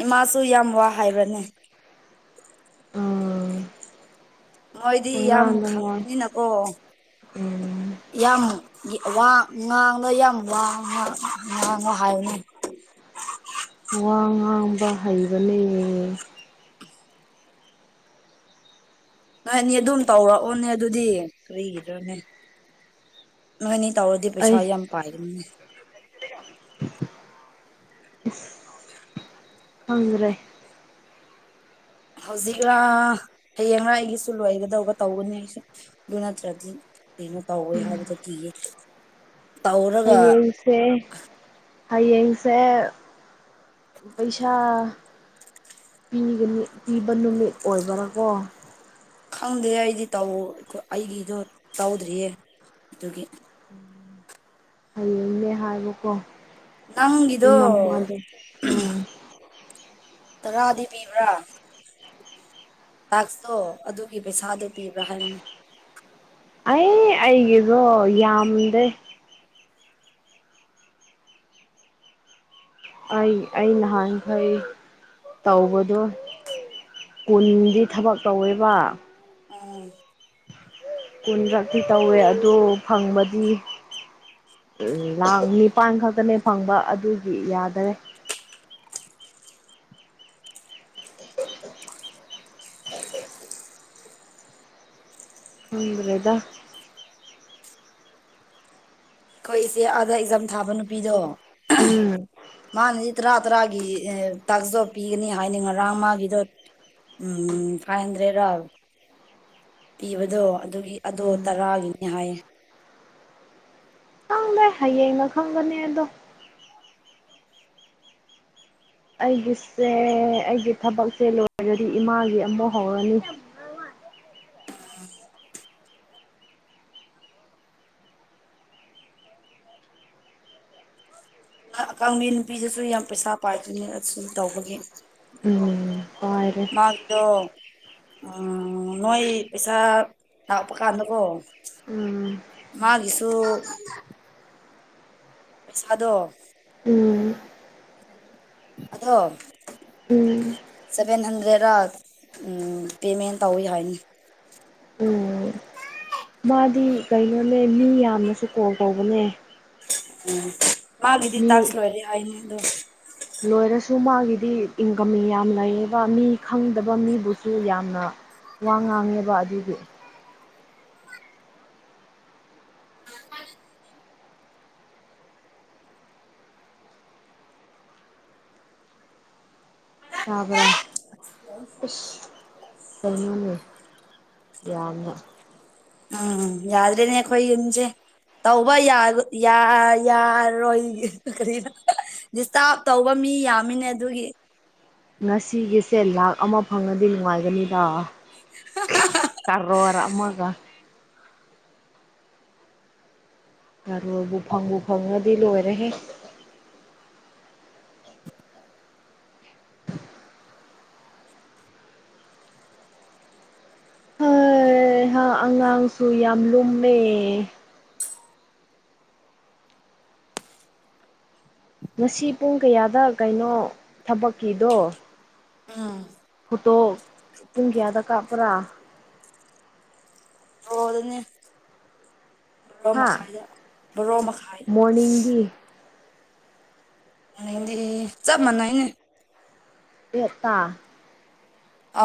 ꯏꯃꯥꯁꯨ ꯌꯥꯝ ꯋꯥ ꯍꯥꯏꯕ꯭ꯔꯅꯦ ꯎꯝ ꯃꯣꯏꯗꯤ ꯌꯥꯝ ꯄꯉꯥꯡꯗ ꯉꯥꯡ ꯈꯪꯕꯅꯤꯅꯀꯣ ꯎꯝ ꯌꯥꯝ ꯋꯥ ꯉꯥꯡꯂꯣ ꯌꯥꯝ ꯋꯥ ꯉꯥꯡꯂꯣ ꯍꯥꯏꯌꯅꯤ ꯋꯥ ꯉꯥꯡꯕ ꯍꯩꯕꯅꯦꯔꯦ ꯅꯣꯏꯅꯤ ꯑꯗꯨꯝ ꯇꯧꯔꯛꯑꯣꯅꯦ ꯑꯗꯨꯗꯤ ꯀꯔꯤꯗ꯭ꯔꯣꯅꯦ ꯅꯣꯏꯅꯤ ꯇꯧꯔꯗꯤ ꯄꯩꯁꯥ ꯑꯩ ꯌꯥꯝ ꯄꯥꯏꯒꯅꯤꯅꯦ ꯐꯪ꯭ꯔꯦ ꯍꯧꯖꯤꯛꯔꯥ ꯍꯌꯦꯡꯔꯥ ꯑꯩꯒꯤꯁꯨ ꯂꯣꯏꯒꯗꯧꯕ ꯇꯧꯒꯅꯤ ꯑꯗꯨ ꯅꯠꯇ꯭ꯔꯗꯤ ꯀꯩꯅꯣ ꯇꯧꯋꯦ ꯍꯥꯏꯕꯗ ꯀꯤꯌꯦ ꯇꯧꯔꯒ ꯑꯩꯌꯦꯡꯁꯦ ꯍꯌꯦꯡꯁꯦ ꯄꯩꯁꯥ ꯄꯤꯕ ꯅꯨꯃꯤꯠ ꯑꯣꯏꯕ꯭ꯔꯥꯀꯣ ꯈꯪꯗꯦ ꯑꯩꯗꯤ ꯇꯧ ꯑꯩꯒꯤꯗꯣ ꯇꯧꯗ꯭ꯔꯤꯌꯦ ꯑꯗꯨꯒꯤ ꯍꯌꯦꯡꯅꯦ ꯍꯥꯏꯕꯀꯣ ꯅꯪꯒꯤꯗꯣ ꯅꯃꯗ ꯎꯝ ꯔꯥꯗꯤ ꯄꯤꯕ꯭ꯔꯥ ꯇꯥꯛꯁꯇꯣ ꯑꯗꯨꯒꯤ ꯄꯩꯁꯥꯗꯣ ꯄꯤꯕ꯭ꯔꯥ ꯍꯥꯏꯕꯅꯦ ꯑꯩ ꯑꯩꯒꯤꯗꯣ ꯌꯥꯝꯗꯦ ꯑꯩ ꯑꯩ ꯅꯍꯥꯟꯈꯩ ꯇꯧꯕꯗꯣ ꯀꯨꯟꯗꯤ ꯊꯕꯛ ꯇꯧꯋꯦꯕ ꯎꯝ ꯀꯨꯟ ꯈꯛꯤ ꯇꯧꯋꯦ ꯑꯗꯨ ꯐꯪꯕꯗꯤ ꯎꯝ ꯂꯥꯛ ꯅꯤꯄꯜ ꯈꯛꯇꯅꯦ ꯐꯪꯕ ꯑꯗꯨꯒꯤ ꯌꯥꯗꯔꯦ ꯅꯗ꯭ꯔꯗ ꯑꯩꯈꯣꯏ ꯏꯆꯦ ꯑꯥꯗ ꯑꯦꯛꯖꯥꯝ ꯊꯥꯕ ꯅꯨꯄꯤꯗꯣ ꯎꯝ ꯃꯥꯅꯗꯤ ꯇꯔꯥ ꯇꯔꯥꯒꯤ ꯇꯁꯇꯣ ꯄꯤꯒꯅꯤ ꯍꯥꯏꯅꯤꯡ ꯉꯔꯥꯡ ꯃꯥꯒꯤꯗꯣ ꯎꯝ ꯐꯥꯏ ꯍꯟꯗ꯭ꯔꯦꯠ ꯄꯤꯕꯗꯣ ꯑꯗꯨꯒꯤ ꯑꯗꯣ ꯎꯝ ꯇꯔꯥꯒꯤꯅꯦ ꯍꯥꯏꯌꯦ ꯍꯌꯦꯡ ꯃꯈ ꯈꯪꯒꯅꯦꯗꯣ ꯑꯩꯒꯤꯁꯦ ꯑꯩꯒꯤ ꯊꯕꯛꯁꯦ ꯂꯣꯏꯔꯗꯤ ꯏꯃꯥꯒꯤ ꯑꯃꯨ ꯍꯧꯔꯅꯤ [INAUDIBLE] ꯑꯀꯕꯤ ꯅꯨꯄꯤꯗꯁꯨ ꯌꯥꯝ ꯄꯩꯁꯥ ꯄꯥꯏꯗꯣꯏꯅꯦ ꯑꯗꯨꯨꯝ ꯇꯧꯕꯒꯤ ꯎꯝ ꯄꯥꯏꯔꯦ ꯃꯗꯨ ꯎ ꯅꯣꯏ ꯄꯩꯁꯥ ꯂꯥꯛꯄ ꯀꯥꯟꯗꯀꯣ ꯎꯝ ꯃꯥꯒꯤꯁꯨꯨ ꯄꯩꯁꯥꯗꯣ ꯎꯝ ꯑꯗꯣ ꯎꯝ ꯁꯚꯦꯟ ꯍꯟꯗ꯭ꯔꯦꯗ ꯄꯦꯃꯦꯟ ꯇꯧꯋꯤ ꯍꯥꯏꯅꯤ ꯎꯝ ꯃꯥꯗꯤ ꯀꯩꯅꯣꯅꯦ ꯃꯤ ꯌꯥꯝꯅꯁꯨ ꯀꯣꯜ ꯀꯧꯕꯅꯦ ꯎꯝ ꯃꯥꯒꯗꯤ ꯇꯥꯁꯂꯔꯔꯤ ꯑꯅ ꯑꯗꯨ ꯂꯣꯏꯔꯁꯨ ꯃꯥꯒꯤꯗꯤ ꯏꯟꯀꯝ ꯌꯥꯝ ꯂꯩꯌꯦꯕ ꯃꯤ ꯈꯪꯗꯕ ꯃꯤꯕꯨꯁꯨ ꯌꯥꯝꯅ ꯋꯥ ꯉꯥꯡꯉꯦꯕ ꯑꯗꯨꯗꯤ ꯆꯕ꯭ꯔꯥ ꯏ ꯀꯅ ꯌꯥ ꯎꯝ ꯌꯥꯗ꯭ꯔꯦꯅꯦ ꯈꯣꯏꯟꯖꯦ ꯇꯧꯕ ꯌꯥ ꯌꯥꯔꯣꯏ ꯀ ꯗꯤꯁꯇꯥꯔꯕ ꯇꯧꯕ ꯃꯤ ꯌꯥꯝꯃꯤꯅꯦ ꯑꯗꯨꯒꯤ ꯉꯁꯤꯒꯤꯁꯦ ꯂꯥꯛ ꯑꯃ ꯐꯪꯉꯗꯤ ꯅꯨꯡꯉꯥꯏꯒꯅꯤꯗ ꯇꯔꯣꯔ ꯑꯃꯃꯒ ꯑꯔꯣꯕꯨ ꯐꯪꯕꯨ ꯐꯪꯉꯗꯤ ꯂꯣꯏꯔꯍꯦ ꯍꯣꯏ ꯑꯉꯥꯡꯁꯨ ꯌꯥꯝ ꯂꯨꯝꯃꯦ ꯉꯁꯤ ꯄꯨꯡ ꯀꯌꯥꯗ ꯀꯩꯅꯣ ꯊꯕꯛꯀꯤꯗꯣ ꯑꯥ ꯐꯇꯣ ꯇꯨꯡꯒꯌꯥ ꯇ ꯀꯥꯄ꯭ꯔꯥ ꯑꯣ ꯑꯗꯨꯅ ꯣꯔ ꯍꯥ ꯃꯈꯥꯏꯗ ꯣꯔꯣ ꯃꯈꯥꯏ ꯃꯣꯔꯅꯤꯡꯒꯤ ꯗꯤ ꯆꯞ ꯃꯥꯟꯅꯩꯅꯦ ꯌꯦꯦꯠꯇ ꯑ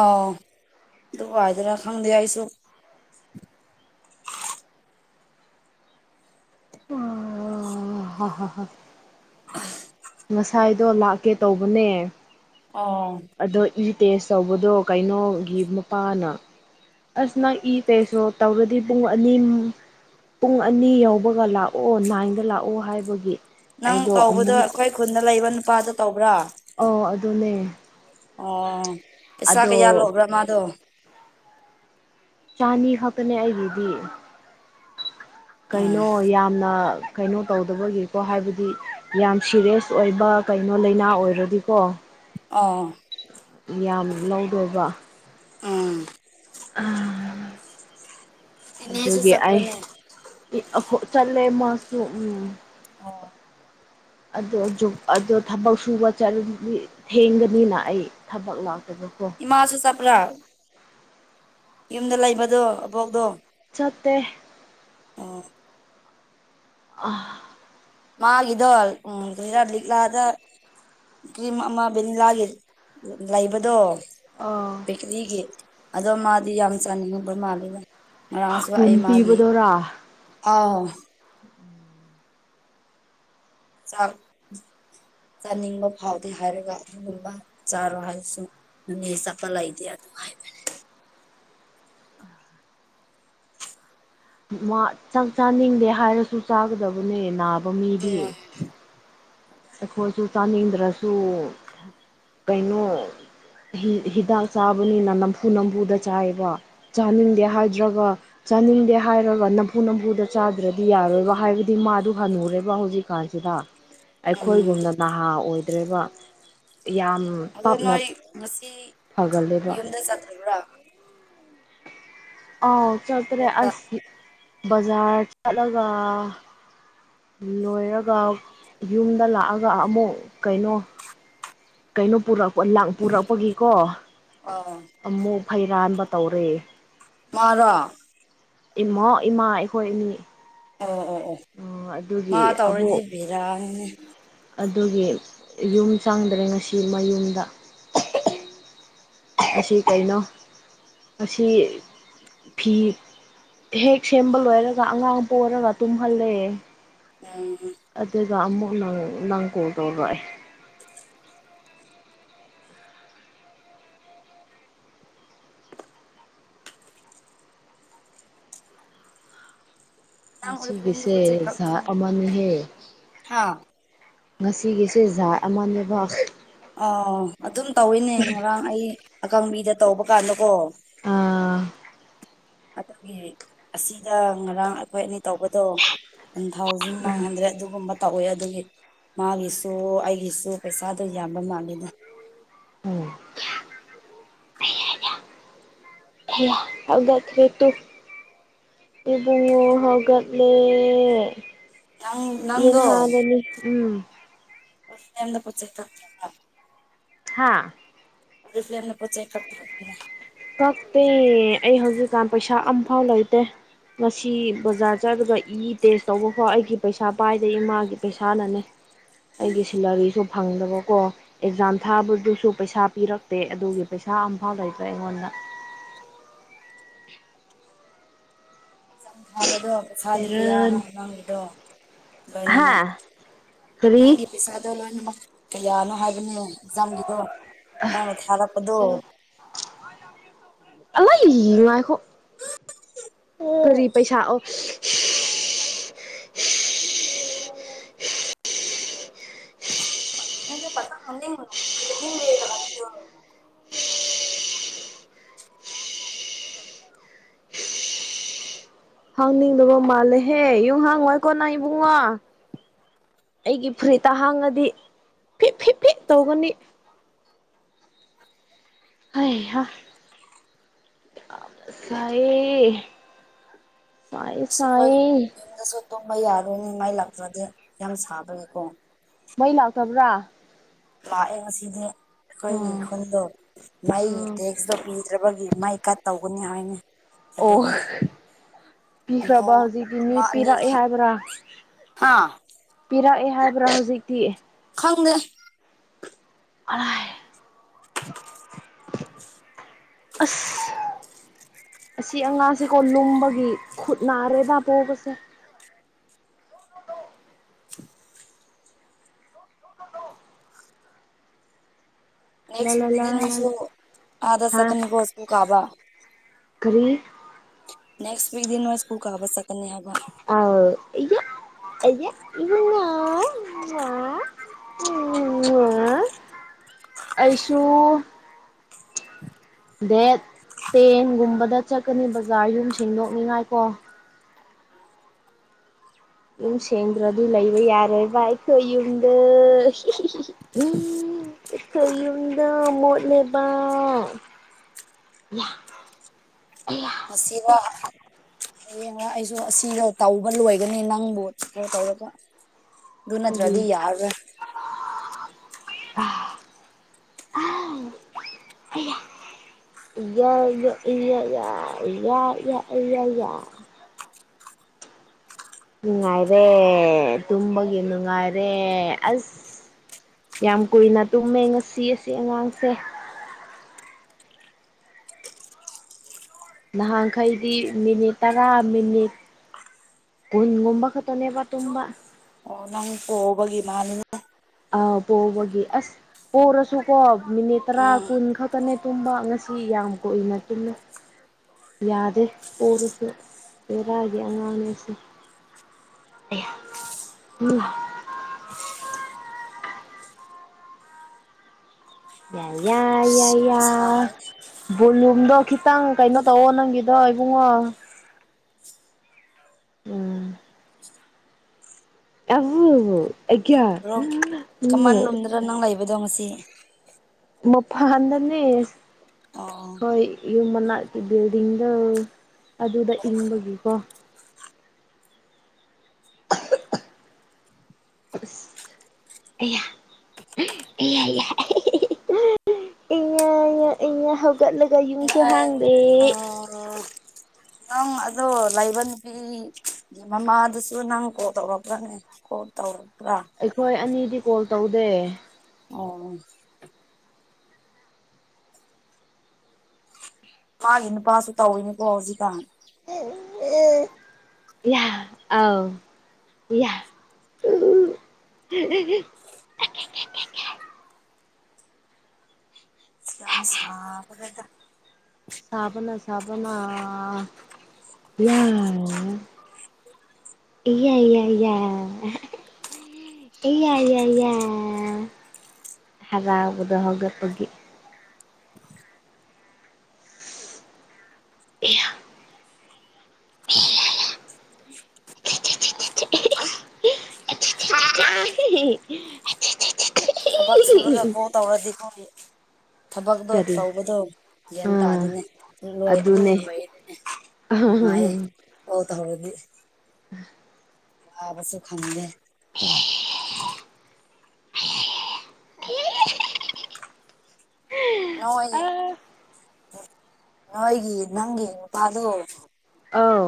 ꯑꯗꯨ ꯍ ꯍꯗꯔ ꯈꯪꯗꯤ ꯑꯥꯏꯁꯨ ꯑꯣ ꯍ ꯍ ꯑ ꯉꯁꯥꯏꯗꯣ ꯂꯥꯛꯀꯦ ꯇꯧꯕꯅꯦ ꯑꯥ ꯑꯗꯣ ꯏ ꯇꯦꯁ ꯇꯧꯕꯗꯣ ꯀꯩꯅꯣꯒꯤ ꯃꯄꯥꯅ ꯑꯁ ꯅꯪ ꯏ ꯀꯩꯁꯨ ꯇꯧꯔꯗꯤ ꯄꯨꯡ ꯑꯅꯤ ꯄꯨꯡ ꯑꯅꯤ ꯌꯥꯎꯧꯕꯒ ꯂꯥꯛꯑꯣ ꯅꯥꯏꯟꯗ ꯂꯥꯛꯑꯣ ꯍꯥꯏꯕꯒꯤ ꯅꯪ ꯑꯩꯗꯣ ꯇꯧꯕꯗꯣ ꯑꯃꯨꯛ ꯑꯩꯈꯣꯏ ꯈꯨꯟꯗ ꯂꯩꯕ ꯅꯨꯄꯥꯗꯣ ꯇꯧꯕ꯭ꯔꯥ ꯑꯣ ꯑꯗꯨꯗꯅꯦꯦ ꯑꯣ ꯄꯩꯁꯥ ꯀꯌꯥ ꯂꯧꯕ꯭ꯔꯥ ꯃꯥꯗꯣ ꯆꯥꯅꯤ ꯈꯛꯇꯅꯦ ꯑꯩꯒꯤꯗꯤ ꯎꯝ ꯀꯩꯅꯣ ꯌꯥꯝꯅ ꯀꯩꯅꯣ ꯇꯧꯗꯕꯒꯤꯀꯣ ꯍꯥꯏꯕꯗꯤ ꯌꯥꯝ ꯁꯤꯦꯔꯤꯌꯁ ꯑꯣꯏꯕ ꯀꯩꯅꯣ ꯂꯥꯏꯅꯥ ꯑꯣꯏꯔꯗꯤꯀꯣ ꯑꯣ ꯌꯥꯝ ꯂꯧꯗꯕ ꯑꯥ ꯏꯅꯦꯁꯨ ꯑꯗꯨꯒꯤ ꯑꯩ ꯆꯠꯄ꯭ꯔꯅꯦ ꯂ ꯂꯩ ꯃꯥꯁꯨꯁꯨ ꯑꯣ ꯑ ꯑꯣ ꯊꯕꯛ ꯁꯨꯕ ꯊꯦꯡꯒꯅꯤꯅ ꯑꯩ ꯊꯕꯛ ꯂꯥꯛꯇꯕꯀꯣ ꯏꯃꯥꯁꯨ ꯆꯄ꯭ꯔꯥ ꯌꯨꯝꯗ ꯂꯩꯕꯗꯣ ꯑꯕꯣꯛꯗꯣ ꯅꯠꯇꯦ ꯑꯣ ꯑ ꯃꯥꯒꯤꯗꯣ ꯎꯝ ꯀꯔ ꯂꯤꯛꯂꯗ ꯀ꯭ꯔꯤꯝ ꯑꯃ ꯚꯦꯅꯤꯂꯥꯒꯤ ꯂꯩꯕꯗꯣ ꯄꯤꯂꯤꯒꯤ ꯑꯗꯣ ꯃꯥꯗꯤ ꯌꯥꯝ ꯆꯥꯅꯤꯡꯉꯨꯕ꯭ꯔ ꯃꯥꯜꯂꯦꯗ ꯑꯔꯝꯁꯨ ꯑꯩ ꯀꯨꯟ ꯃꯥꯒꯤꯦ ꯄꯤꯕꯗꯨꯔꯥ ꯑ ꯆꯠ ꯆꯥꯅꯤꯡꯕ ꯐꯥꯎꯗꯦ ꯍꯥꯏꯔꯒ ꯑꯗꯨꯒꯨꯝꯕ ꯆꯥꯔꯣ ꯍꯥꯏꯔꯁꯨ ꯅ ꯆꯠꯄ ꯂꯩꯇꯦ ꯑꯗꯨ ꯥꯏ ꯃꯥ ꯆꯥꯛ ꯆꯥꯅꯤꯡꯗꯦ ꯍꯥꯏꯔꯁꯨ ꯆꯥꯒꯗꯕꯅꯦ ꯅꯥꯕ ꯃꯤꯗꯤ ꯎꯝ ꯁꯨ ꯀꯩꯅꯅ ꯍꯤꯗꯥꯛ ꯆꯥꯕꯅꯤꯅ ꯅꯝꯐꯨ ꯅꯝꯐꯨꯗ ꯆꯥꯏꯕ ꯆꯥꯅꯤꯡꯗꯦ ꯍꯥꯏꯗ꯭ꯔꯒ ꯆꯥꯅꯤꯡꯗꯦ ꯍꯥꯏꯔꯒ ꯅꯝꯐꯨ ꯅꯝꯐꯨꯗ ꯆꯥꯗ꯭ꯔꯗꯤ ꯌꯥꯔꯣꯏꯕ ꯍꯥꯏꯕꯗꯤ ꯃꯥꯗꯨ ꯍꯜꯂꯨꯔꯦꯕ ꯍꯧꯖꯤꯛꯀꯥꯟꯁꯤꯗ ꯎꯝ ꯑꯩꯈꯣꯏꯒꯨꯝꯅ ꯅꯍꯥ ꯑꯣꯏꯗ꯭ꯔꯔꯤꯕ ꯌꯥꯝ ꯑꯗꯣ ꯄꯥꯞꯅ ꯅꯣꯏ ꯉꯁꯤ ꯐꯒꯜꯂꯦꯕ ꯌꯨꯝꯗ ꯆꯠꯇꯕ꯭ꯔꯥ ꯑꯥꯎ ꯆꯠꯇ꯭ꯔꯦ ꯑꯕꯣꯛꯗ ꯑꯁ ꯕꯖꯥꯔ ꯆꯠꯂꯒ ꯂꯣꯏꯔꯒ ꯌꯨꯝꯗ ꯂꯥꯛꯑꯒ ꯑꯃꯨꯛ ꯀꯩꯅꯣ ꯀꯩꯅꯣ ꯄꯨꯔꯛꯄ ꯄꯨꯔꯛꯄꯒꯤꯀꯣ ꯑꯣ ꯑꯃꯨꯛ ꯐꯩꯔꯥꯟꯕ ꯇꯧꯔꯤꯦ ꯃꯥꯔ ꯏꯃꯣ ꯏꯃꯥ ꯑꯩꯈꯣꯏ ꯏꯅꯤ ꯑꯣ ꯑꯣ ꯑꯣ ꯃꯥ ꯇꯧꯔꯗꯤ ꯑꯕꯣꯛ ꯕꯤꯔꯥꯡꯅꯦ ꯑꯗꯨꯒꯤ ꯌꯨꯝ ꯆꯪꯗ꯭ꯔꯦ ꯉꯁꯤ ꯃꯌꯨꯝꯗ ꯎꯝ ꯑꯁꯤ ꯀꯩꯅꯣ ꯑꯁꯤ ꯐꯤ ꯍꯦꯛ ꯁꯦꯝꯕ ꯂꯣꯏꯔꯒ ꯑꯉꯥꯡ ꯄꯔꯒ ꯇꯨꯝꯍꯜꯂꯛꯑꯦ ꯎꯝ ꯑ ꯑꯃꯨꯛ ꯅꯪ ꯅꯪ ꯀꯣꯜ ꯇꯧꯔꯛꯑꯦ ꯅꯪ ꯑꯦꯔꯣꯄ꯭ꯂꯦꯟꯗ ꯉꯁꯤꯒꯤꯁꯦ ꯄꯣꯠ ꯆꯩ ꯀꯛꯄꯅꯦ ꯑꯃꯅꯍꯦ ꯍꯥ ꯉꯁꯤꯒꯤꯁꯦ ꯖꯥꯠ ꯑꯃꯥꯟꯅꯕ ꯑꯣ ꯑꯗꯨꯝ ꯇꯧꯏꯅꯦ ꯉꯔꯥꯡ ꯑꯩ ꯑꯀꯪꯕꯤꯗ ꯇꯧꯕ ꯀꯥꯟꯗꯀꯣ ꯑꯥ ꯑꯗꯨꯒꯤ ꯑꯁꯤꯗ ꯉꯔꯥꯡ ꯑꯩꯈꯣꯏ ꯑꯅꯤ ꯇꯧꯕꯗꯣ ꯊꯥꯎꯖꯟ ꯋꯥꯏꯟ ꯍꯟꯗ꯭ꯔꯦꯠ ꯑꯗꯨꯒꯨꯝꯕ ꯇꯧꯋꯦ ꯑꯗꯨꯒꯤ ꯃꯥꯒꯤꯁꯨ ꯑꯩꯒꯤꯁꯨ ꯄꯩꯁꯥꯗꯣ ꯌꯥꯝꯕ ꯃꯥꯜꯂꯤꯦꯗ ꯎꯝ ꯒꯔꯤ ꯇꯨ ꯕꯨꯡꯉ ꯍꯧꯧꯒꯠꯂꯦ ꯅꯪ ꯌꯦꯟ ꯍꯥꯅꯤ ꯎꯝ ꯐ ꯍꯥꯥ ꯄꯤ꯭ꯂꯌꯥꯅ ꯄꯣ ꯆꯩ ꯀꯛꯇꯦ ꯑꯩ ꯍꯧꯖꯤꯛꯀꯥꯟ ꯄꯩꯁꯥ ꯑꯝꯐꯥꯎ ꯂꯩꯇꯦ ꯉꯁꯤ ꯕꯖꯥꯔ ꯆꯠꯂꯒ ꯏ ꯇꯦꯁ ꯇꯧꯕꯐꯣ ꯑꯩꯒꯤ ꯄꯩꯁꯥ ꯄꯥꯏꯗꯦ ꯏꯃꯥꯒꯤ ꯄꯩꯁꯥꯅꯅꯦ ꯑꯩꯒꯤ ꯁꯦꯂꯔꯤꯁꯨ ꯐꯪꯗꯕꯀꯣ ꯑꯦꯛꯖꯥꯝ ꯊꯥꯕꯗꯨꯁꯨ ꯄꯩꯁꯥ ꯄꯤꯔꯛꯇꯦ ꯑꯗꯨꯒꯤ ꯄꯩꯁꯥ ꯊꯥ ꯑꯝꯐꯥꯎ ꯂꯩꯕ꯭ꯔ ꯑꯩꯉꯣꯟꯗ ꯆꯝ ꯊꯥꯕꯗꯣ ꯄꯩꯁꯥꯗꯤ ꯀꯌꯥꯅ ꯕꯦꯔꯥꯅꯤ ꯑꯉꯥꯡꯒꯤꯗꯣ ꯍꯥ ꯂꯣꯏꯅꯃꯛ ꯀꯔꯤ ꯅꯪꯒꯤ ꯄꯩꯁꯥꯗꯣ ꯂꯣꯏꯅꯃꯛ ꯀꯌꯥꯅꯣ ꯍꯥꯏꯕꯅꯣ ꯑꯦꯛꯖꯥꯝꯒꯤꯗꯣ ꯅꯪꯅ ꯊꯥꯔꯛꯄꯗꯣ ꯑꯜ ꯏꯅꯨꯡꯉꯥꯏꯈꯣ ꯔꯤ ꯄꯩꯁꯥ ꯑꯣ ꯄ ꯅꯤꯡꯦꯣ ꯍꯥꯡꯅꯤꯡꯗꯕꯣ ꯃꯥꯜꯂꯦꯍꯦ ꯌꯨ ꯍꯥꯡ ꯋꯥꯏ ꯀꯣꯟꯅꯥ ꯏꯕꯨꯡꯉꯣ ꯑꯩꯒꯤ ꯐꯨꯔꯤꯠꯇ ꯍꯥꯡꯉꯗꯤ ꯐꯤꯠ ꯐꯤꯠ ꯐꯤꯠ ꯇꯧꯒꯅꯤ ꯍ ꯑ ꯁꯥꯏ ꯁꯥꯏ ꯇꯣꯡꯕ ꯌꯥꯔꯣꯏꯅꯤ ꯃꯥꯏ ꯂꯥꯛꯇ꯭ꯔꯗꯤ ꯌꯥꯝ ꯁꯥꯕꯅꯤꯀꯣ ꯃꯩ ꯂꯥꯛꯇꯕ꯭ꯔꯥ ꯂꯥꯛꯑꯦ ꯉꯁꯤꯗꯤ ꯑꯩꯈꯣꯏꯒꯤ ꯎꯝ ꯈꯨꯟꯗꯣ ꯃꯩꯒꯤ ꯇꯦꯛꯁꯇꯣ ꯄꯤꯗ꯭ꯔꯕꯒꯤ ꯃꯥꯏ ꯀꯠ ꯇꯧꯒꯅꯤ ꯍꯥꯏꯅꯤ ꯑꯣ ꯑꯗꯨꯒꯤ ꯄꯤꯈ꯭ꯔꯕ ꯅꯣꯡ ꯍꯧꯖꯤꯛꯇꯤ ꯃꯤ ꯑꯃ ꯑꯅꯤ ꯄꯤꯔꯛꯑꯦ ꯍꯥꯏꯕ꯭ꯔꯥ ꯍꯥ ꯄꯤꯔꯛꯑꯦ ꯍꯥꯏꯕ꯭ꯔꯥ ꯍꯧꯖꯤꯛꯇꯤ ꯐꯪ ꯑ ꯑꯁ ꯑꯁꯤ ꯑꯉꯁꯤꯀꯣ ꯂꯨꯝꯕꯒꯤ ꯈꯨꯠ ꯅꯥꯔꯦꯗꯥ ꯄꯣꯛꯄꯁꯦ [UNINTELLIGIBLE] ꯂꯥ ꯂꯥ ꯂꯥ ꯂꯥ ꯦꯛꯁꯁꯨ ꯑꯗ ꯍꯥ ꯁꯦꯀ ꯀꯥꯕ ꯀꯔꯤ ꯅꯦꯛꯁꯤꯛ ꯗ ꯅꯋꯥ ꯄꯨꯨꯛꯕꯥꯕꯁ ꯇꯅꯤ ꯍꯥꯏꯒ ꯑ ꯏ ꯎ ꯑꯩꯁꯨ ꯗꯦꯠ ꯇꯦꯟꯒꯨꯝꯕꯗ ꯆꯠꯀꯅꯤ ꯕꯖꯥꯔ ꯌꯨꯝ ꯁꯦꯡꯗꯣꯛꯅꯤꯉꯥꯏ ꯀꯣ ꯎꯝ ꯁꯦꯡꯗ꯭ꯔꯣꯗꯨ ꯂꯩꯕ ꯌꯥꯔꯣꯏ ꯕꯥꯏ ꯀ ꯌꯨꯝꯗ ꯎ ꯀꯨꯝꯗ ꯃꯣꯠꯂꯦꯕ ꯏ ꯑ ꯃꯁꯤꯁꯤꯃ ꯍꯌꯦꯡꯉ ꯑꯩꯁꯨ ꯑꯁꯤꯗ ꯇꯧꯕ ꯂꯣꯏꯒꯅꯤ ꯅꯪꯕꯨ ꯈꯩꯅꯣ ꯇꯧꯔꯒ ꯑꯗꯨ ꯅꯠꯇ꯭ꯔꯗꯤ ꯌꯥꯔ ꯑ ꯌꯥꯏ ꯌ ꯑꯦꯏ ꯌꯥꯏ ꯌꯏ ꯑꯦꯌꯥ ꯎ ꯉꯥꯏꯔꯦ ꯇꯨꯝꯃꯒꯤ ꯅꯨꯅꯨꯡ ꯉꯥꯏꯔꯦ ꯑꯁ ꯌꯥꯝ ꯀꯨꯏꯅ ꯇꯨꯝꯃꯦ ꯉꯁꯤ ꯑꯁꯤ ꯑꯉꯥꯡꯁꯦ ꯅꯍꯥꯟꯈꯩꯗꯤ ꯃꯤꯅꯤꯠ ꯇꯔꯥ ꯃꯤꯅꯤꯠ ꯀꯟꯒꯝꯕ ꯈꯛꯇꯅꯦꯕ ꯇꯕꯥ ꯑꯣ ꯅꯪ ꯄꯕꯒꯤ ꯃꯥꯅꯤꯅ ꯑ ꯄꯕꯒꯦ ꯑꯁ ꯑꯣꯔꯁꯨꯀꯣ ꯃꯤꯅꯤꯠ ꯇꯔꯥ ꯎꯝ ꯀꯨꯟ ꯈꯛꯇꯅꯦ ꯇꯨꯝꯕ ꯉꯁꯤ ꯌꯥꯝ ꯀꯨꯏꯅ ꯇꯨꯝꯃꯤ ꯌꯥꯗꯦ ꯑꯣꯏꯔꯁꯨ ꯂꯩꯦꯔꯥꯒꯤ ꯑꯉꯥꯡꯅꯦꯁꯦ [UNINTELLIGIBLE] ꯌꯥ ꯑꯁ ꯌꯥꯝ ꯌꯥꯏꯌꯥ ꯁꯥꯏꯅꯦ ꯚꯣꯂꯨꯝꯗꯣ ꯈꯤꯇꯪ ꯀꯩꯅꯣ ꯇꯧꯑꯣ ꯅꯪꯒꯤꯗꯣ ꯏꯕꯨꯡꯉꯣ ꯎꯝ ꯑ ꯑꯌꯥ ꯔꯨꯝ ꯀꯃꯟ ꯎꯝ ꯔꯨꯝꯗꯔ ꯅꯪ ꯂꯩꯕꯗꯣ ꯉꯁꯤ ꯃꯄꯥ ꯍꯟꯗꯅꯤꯦ ꯑꯣ ꯍꯣꯏ ꯌꯨꯝ ꯃꯅꯥ ꯀ ꯜꯗꯤꯡꯗ ꯑꯗꯨꯗ ꯏꯪꯕꯒꯤꯀꯣ ꯑꯌꯥ ꯏꯂ [INAUDIBLE] ꯑ ꯍꯧꯒꯠꯂꯒ ꯌꯨꯡꯁꯨ ꯍꯥꯡꯗꯦ ꯅꯪ ꯑꯗꯣ ꯑꯣ ꯂꯩꯕ ꯅꯨꯄꯤ ꯃꯃꯥꯗꯨꯁꯨ ꯅꯪ ꯀꯣꯜ ꯇꯧꯔꯛꯈ꯭ꯔꯅꯦ ꯀꯣꯜ ꯇꯧꯔ ꯑꯩꯈꯣꯏ ꯑꯅꯤꯗꯤ ꯀꯣꯜ ꯇꯧꯗꯦ ꯑꯣ ꯃꯥꯒꯤ ꯅꯨꯄꯥꯁꯨ ꯇꯧꯋꯤꯅꯤꯀꯣ ꯍꯧꯖꯤꯛꯀꯥꯟ ꯍ ꯑꯦ ꯌꯥ ꯑꯥꯎ ꯌꯥ ꯎꯝ ꯝ ꯁꯥꯕ ꯔꯗ ꯁꯥꯕꯅ ꯁꯥꯕꯅ ꯌꯥ ꯏ ꯏ ꯏ ꯑꯩ ꯑꯏ ꯌꯥꯏ ꯍꯔꯥꯎꯒꯗ ꯍꯒꯠꯄꯒꯤ [INAUDIBLE] ꯊꯕꯛ ꯁꯨꯔꯒꯀꯣ ꯇꯧꯔꯗꯤꯀꯣ ꯊꯕꯛꯇꯣ ꯀꯔꯤ ꯇꯧꯕꯗꯣ ꯒ꯭ꯌꯥꯟ ꯑꯥ ꯇꯥꯗꯤꯅꯦ ꯂꯣꯏ ꯑꯗꯨꯅꯦ ꯑꯗꯨꯒꯨꯝꯕꯅꯦ ꯃꯥꯥꯏ ꯍꯣ ꯇ ꯍꯗꯤ ꯎꯝ ꯋꯥꯕꯁꯨ ꯈꯪꯗꯦ ꯍ ꯅꯣꯏ ꯅꯣꯏꯒꯤ ꯅꯪꯒꯤ ꯅꯨꯄꯥꯗꯣ ꯑꯧ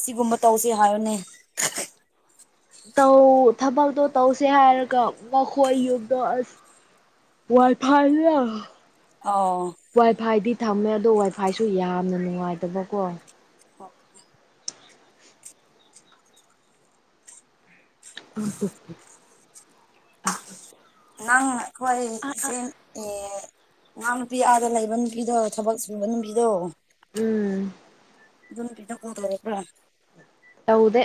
ꯁꯤꯒꯨꯝꯕ ꯇꯧꯁꯦ ꯍꯥꯏꯌꯣꯅꯦ ꯧ ꯊꯕꯛꯇꯣ ꯇꯧꯁꯦ ꯍꯥꯏꯔꯒ ꯃꯈꯣꯏ ꯌꯨꯝꯗꯣ ꯑꯁ ꯋꯥꯏ ꯐꯥꯏꯗ ꯑꯧ ꯋꯥꯏ ꯐꯥꯏꯗꯤ ꯊꯝꯃꯦ ꯑꯗꯣ ꯋꯥꯏ ꯐꯥꯏꯁꯨ ꯌꯥꯝꯅ ꯅꯨꯡꯉꯥꯏꯇꯕꯀꯣ ꯑ ꯑꯗꯨ ꯅꯪ ꯈꯋꯥꯏꯁꯦ ꯑꯦ ꯉꯍꯥꯡ ꯅꯨꯄꯤ ꯑꯥꯗ ꯂꯩꯕ ꯅꯨꯄꯤꯗꯣ ꯊꯕꯛ ꯁꯨꯕ ꯅꯨꯄꯤꯗꯣ ꯎꯝ ꯑꯗꯨꯝ ꯀꯇ ꯀꯗꯦꯕ꯭ꯔꯥ ꯍꯎꯗꯦ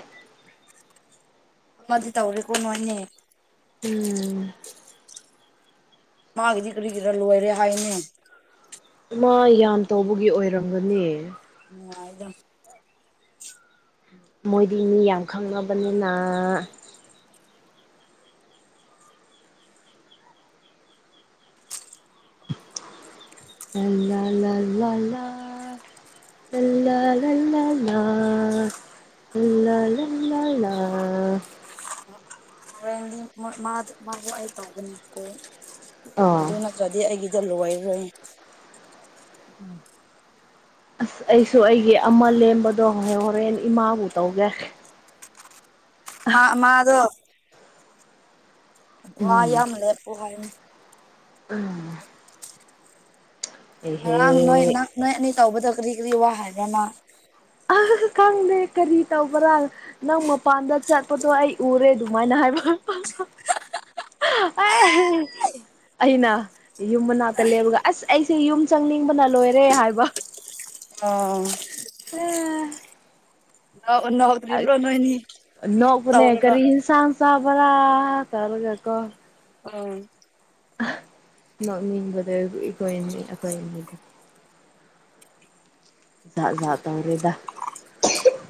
ꯃꯗꯨ ꯇꯧꯔꯦ ꯀꯣꯅꯅꯦ ꯎꯝ ꯃꯥꯒꯤꯗꯤ ꯀꯔꯤ ꯀꯔꯥ ꯂꯣꯏꯔꯦ ꯍꯥꯏꯅꯦ ꯃꯥ ꯌꯥꯝ ꯇꯧꯕꯒꯤ ꯑꯣꯏꯔꯝꯒꯅꯤ ꯅꯨꯡꯉꯥꯏ ꯑꯗꯨꯝ ꯃꯣꯏꯗꯤ ꯃꯤ ꯌꯥꯝ ꯈꯪꯅꯕꯅꯤꯅ ꯂ ꯂ ꯂ ꯂꯥ ꯂ ꯂ ꯏ ꯂꯩ ꯂ ꯂ ꯍꯣꯔꯦꯟꯗꯤ ꯃꯥꯕꯨ ꯑꯩ ꯇꯧꯕꯅꯦꯕꯀꯣ ꯑꯥ ꯑꯗꯨ ꯅꯠꯇ꯭ꯔꯗꯤ ꯑꯩꯒꯤ ꯖꯂꯨꯋꯥꯏꯔꯣꯏ ꯎꯝ ꯑꯁ ꯑꯩꯁꯨ ꯑꯩꯒꯤ ꯑꯃ ꯂꯦꯝꯕꯗꯣ ꯍꯣꯔꯦꯟ ꯏꯃꯥꯕꯨ ꯇꯧꯒꯦ ꯃꯥ ꯃꯥꯗꯣ ꯋꯥ ꯌꯥꯝ ꯂ‌ꯦ ꯄꯣ ꯍꯥꯏꯅꯤ ꯎꯝ ꯉꯔꯥꯡ ꯅꯣꯏ ꯑꯦꯍꯦ ꯅꯣꯏ ꯑꯅꯤ ꯇꯧꯕꯗꯣ ꯀꯔꯤ ꯀꯔꯤ ꯋꯥ ꯍꯥꯏꯕꯔꯅ ꯈꯪꯗꯦ ꯀꯔꯤ ꯇꯧꯕ꯭ꯔꯥ ꯅꯪ ꯃꯄꯥꯟꯗ ꯆꯠꯄꯗꯣ ꯑꯩ ꯎꯔꯦ ꯑꯗꯨꯃꯥꯏꯅ ꯍꯥꯏꯕ [UNINTELLIGIBLE] ꯑ [UNINTELLIGIBLE] ꯑꯩꯅ ꯌꯨꯝ ꯃꯅꯥꯛꯇ ꯂꯦꯞꯔꯒ ꯑꯁ ꯑꯩꯁꯦ ꯌꯨꯝ ꯆꯪꯅꯤꯡꯕꯅ ꯂꯣꯏꯔꯦ ꯍꯥꯏꯕ ꯑꯣ ꯑ ꯅꯣꯛ ꯅꯣꯛꯇ꯭ꯔꯤꯕ꯭ꯔꯣ ꯅꯣꯏꯅꯤ ꯅꫭꯛꯄꯅꯦ ꯇꯧꯔꯒ ꯀꯔꯤ ꯍꯁꯥꯡ ꯆꯕ꯭ꯔ ꯇꯕꯔꯀꯣ ꯑꯥꯡ ꯅꫭꯛꯕꯗ ꯑꯩꯈꫭꯏ- ꯑꯅꯤ ꯑꯩꯈꫭꯏ-ꯑꯅꯤꯗꫭ ꯇ ꯑꯣꯏꯔꯦꯗ [UNINTELLIGIBLE]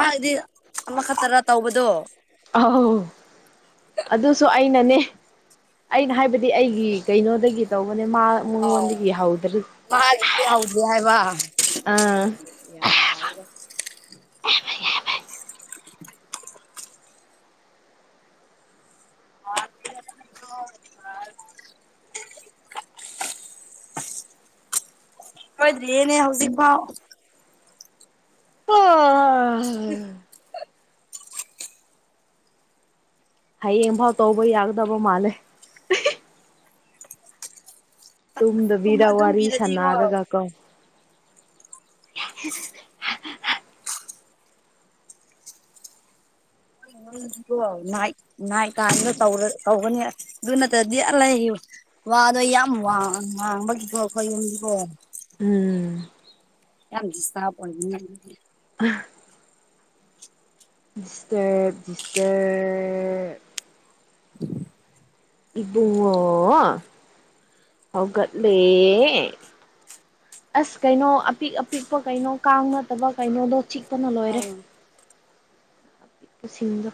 ꯍꯥꯏꯗꯤ ꯑꯃꯈꯛꯇꯔ ꯇꯧꯕꯗꯣ ꯑꯥꯎ ꯑꯗꯨꯁꯨ ꯑꯩꯅꯅꯦ ꯑꯩꯅ ꯍꯥꯏꯕꯗꯤ ꯑꯩꯒꯤ ꯀꯩꯅꯣꯗꯒꯤ ꯇꯧꯕ ꯃ ꯃꯥ ꯑꯥꯎ ꯃꯟꯒ ꯍꯥꯎꯗ꯭ꯔ ꯃꯥꯒꯤꯗꯤ ꯑ ꯌꯥꯔ‌ꯦꯗ ꯔ [UNINTELLIGIBLE] ꯑꯣꯏꯗꯤꯌ‌ꯦꯅꯦ ꯍꯧꯖꯤꯛ ꯄꯥꯎ ꯑ ꯍꯌꯦꯡꯐꯥꯎ ꯇꯧꯕ ꯌꯥꯒꯗꯕ ꯃꯥꯜꯂꯦ ꯇꯨꯝꯗꯕꯤꯗ ꯑꯗꯨꯝ ꯋꯥꯔꯤ ꯄꯤꯔꯗꯤꯀꯣ ꯁꯥꯟꯅꯔꯒ ꯀꯣ [UNINTELLIGIBLE] ꯅꯣꯏ ꯀꯥꯟꯒꯧ ꯇꯧꯒꯅꯤ ꯑꯗꯨ ꯅꯠꯇ꯭ꯔꯗꯤ ꯑ ꯂꯩꯌꯨ ꯋꯥꯑꯗꯣ ꯌꯥꯝ ꯋꯥꯡꯕꯒꯤꯀꯣ ꯑꯩꯈꯣꯏ ꯌꯨꯝꯒꯤꯀꯣ ꯎꯝ ꯌꯥꯝ ꯗꯤꯁꯇꯞ ꯑꯣꯏ ꯑ ꯗꯤꯁꯇꯔꯞ ꯗꯤꯁꯇꯔꯞ ꯎ [INAUDIBLE] ꯏꯕꯨꯡꯉꯣ ꯍꯧꯒꯠ ꯑꯁ ꯀꯩꯅꯣ ꯑꯄꯤꯛ ꯑꯄꯤꯛꯄ ꯆꯤꯛꯄꯅ ꯂꯣꯏꯔꯦ ꯑꯗꯨꯒꯤ ꯑꯁꯤꯡ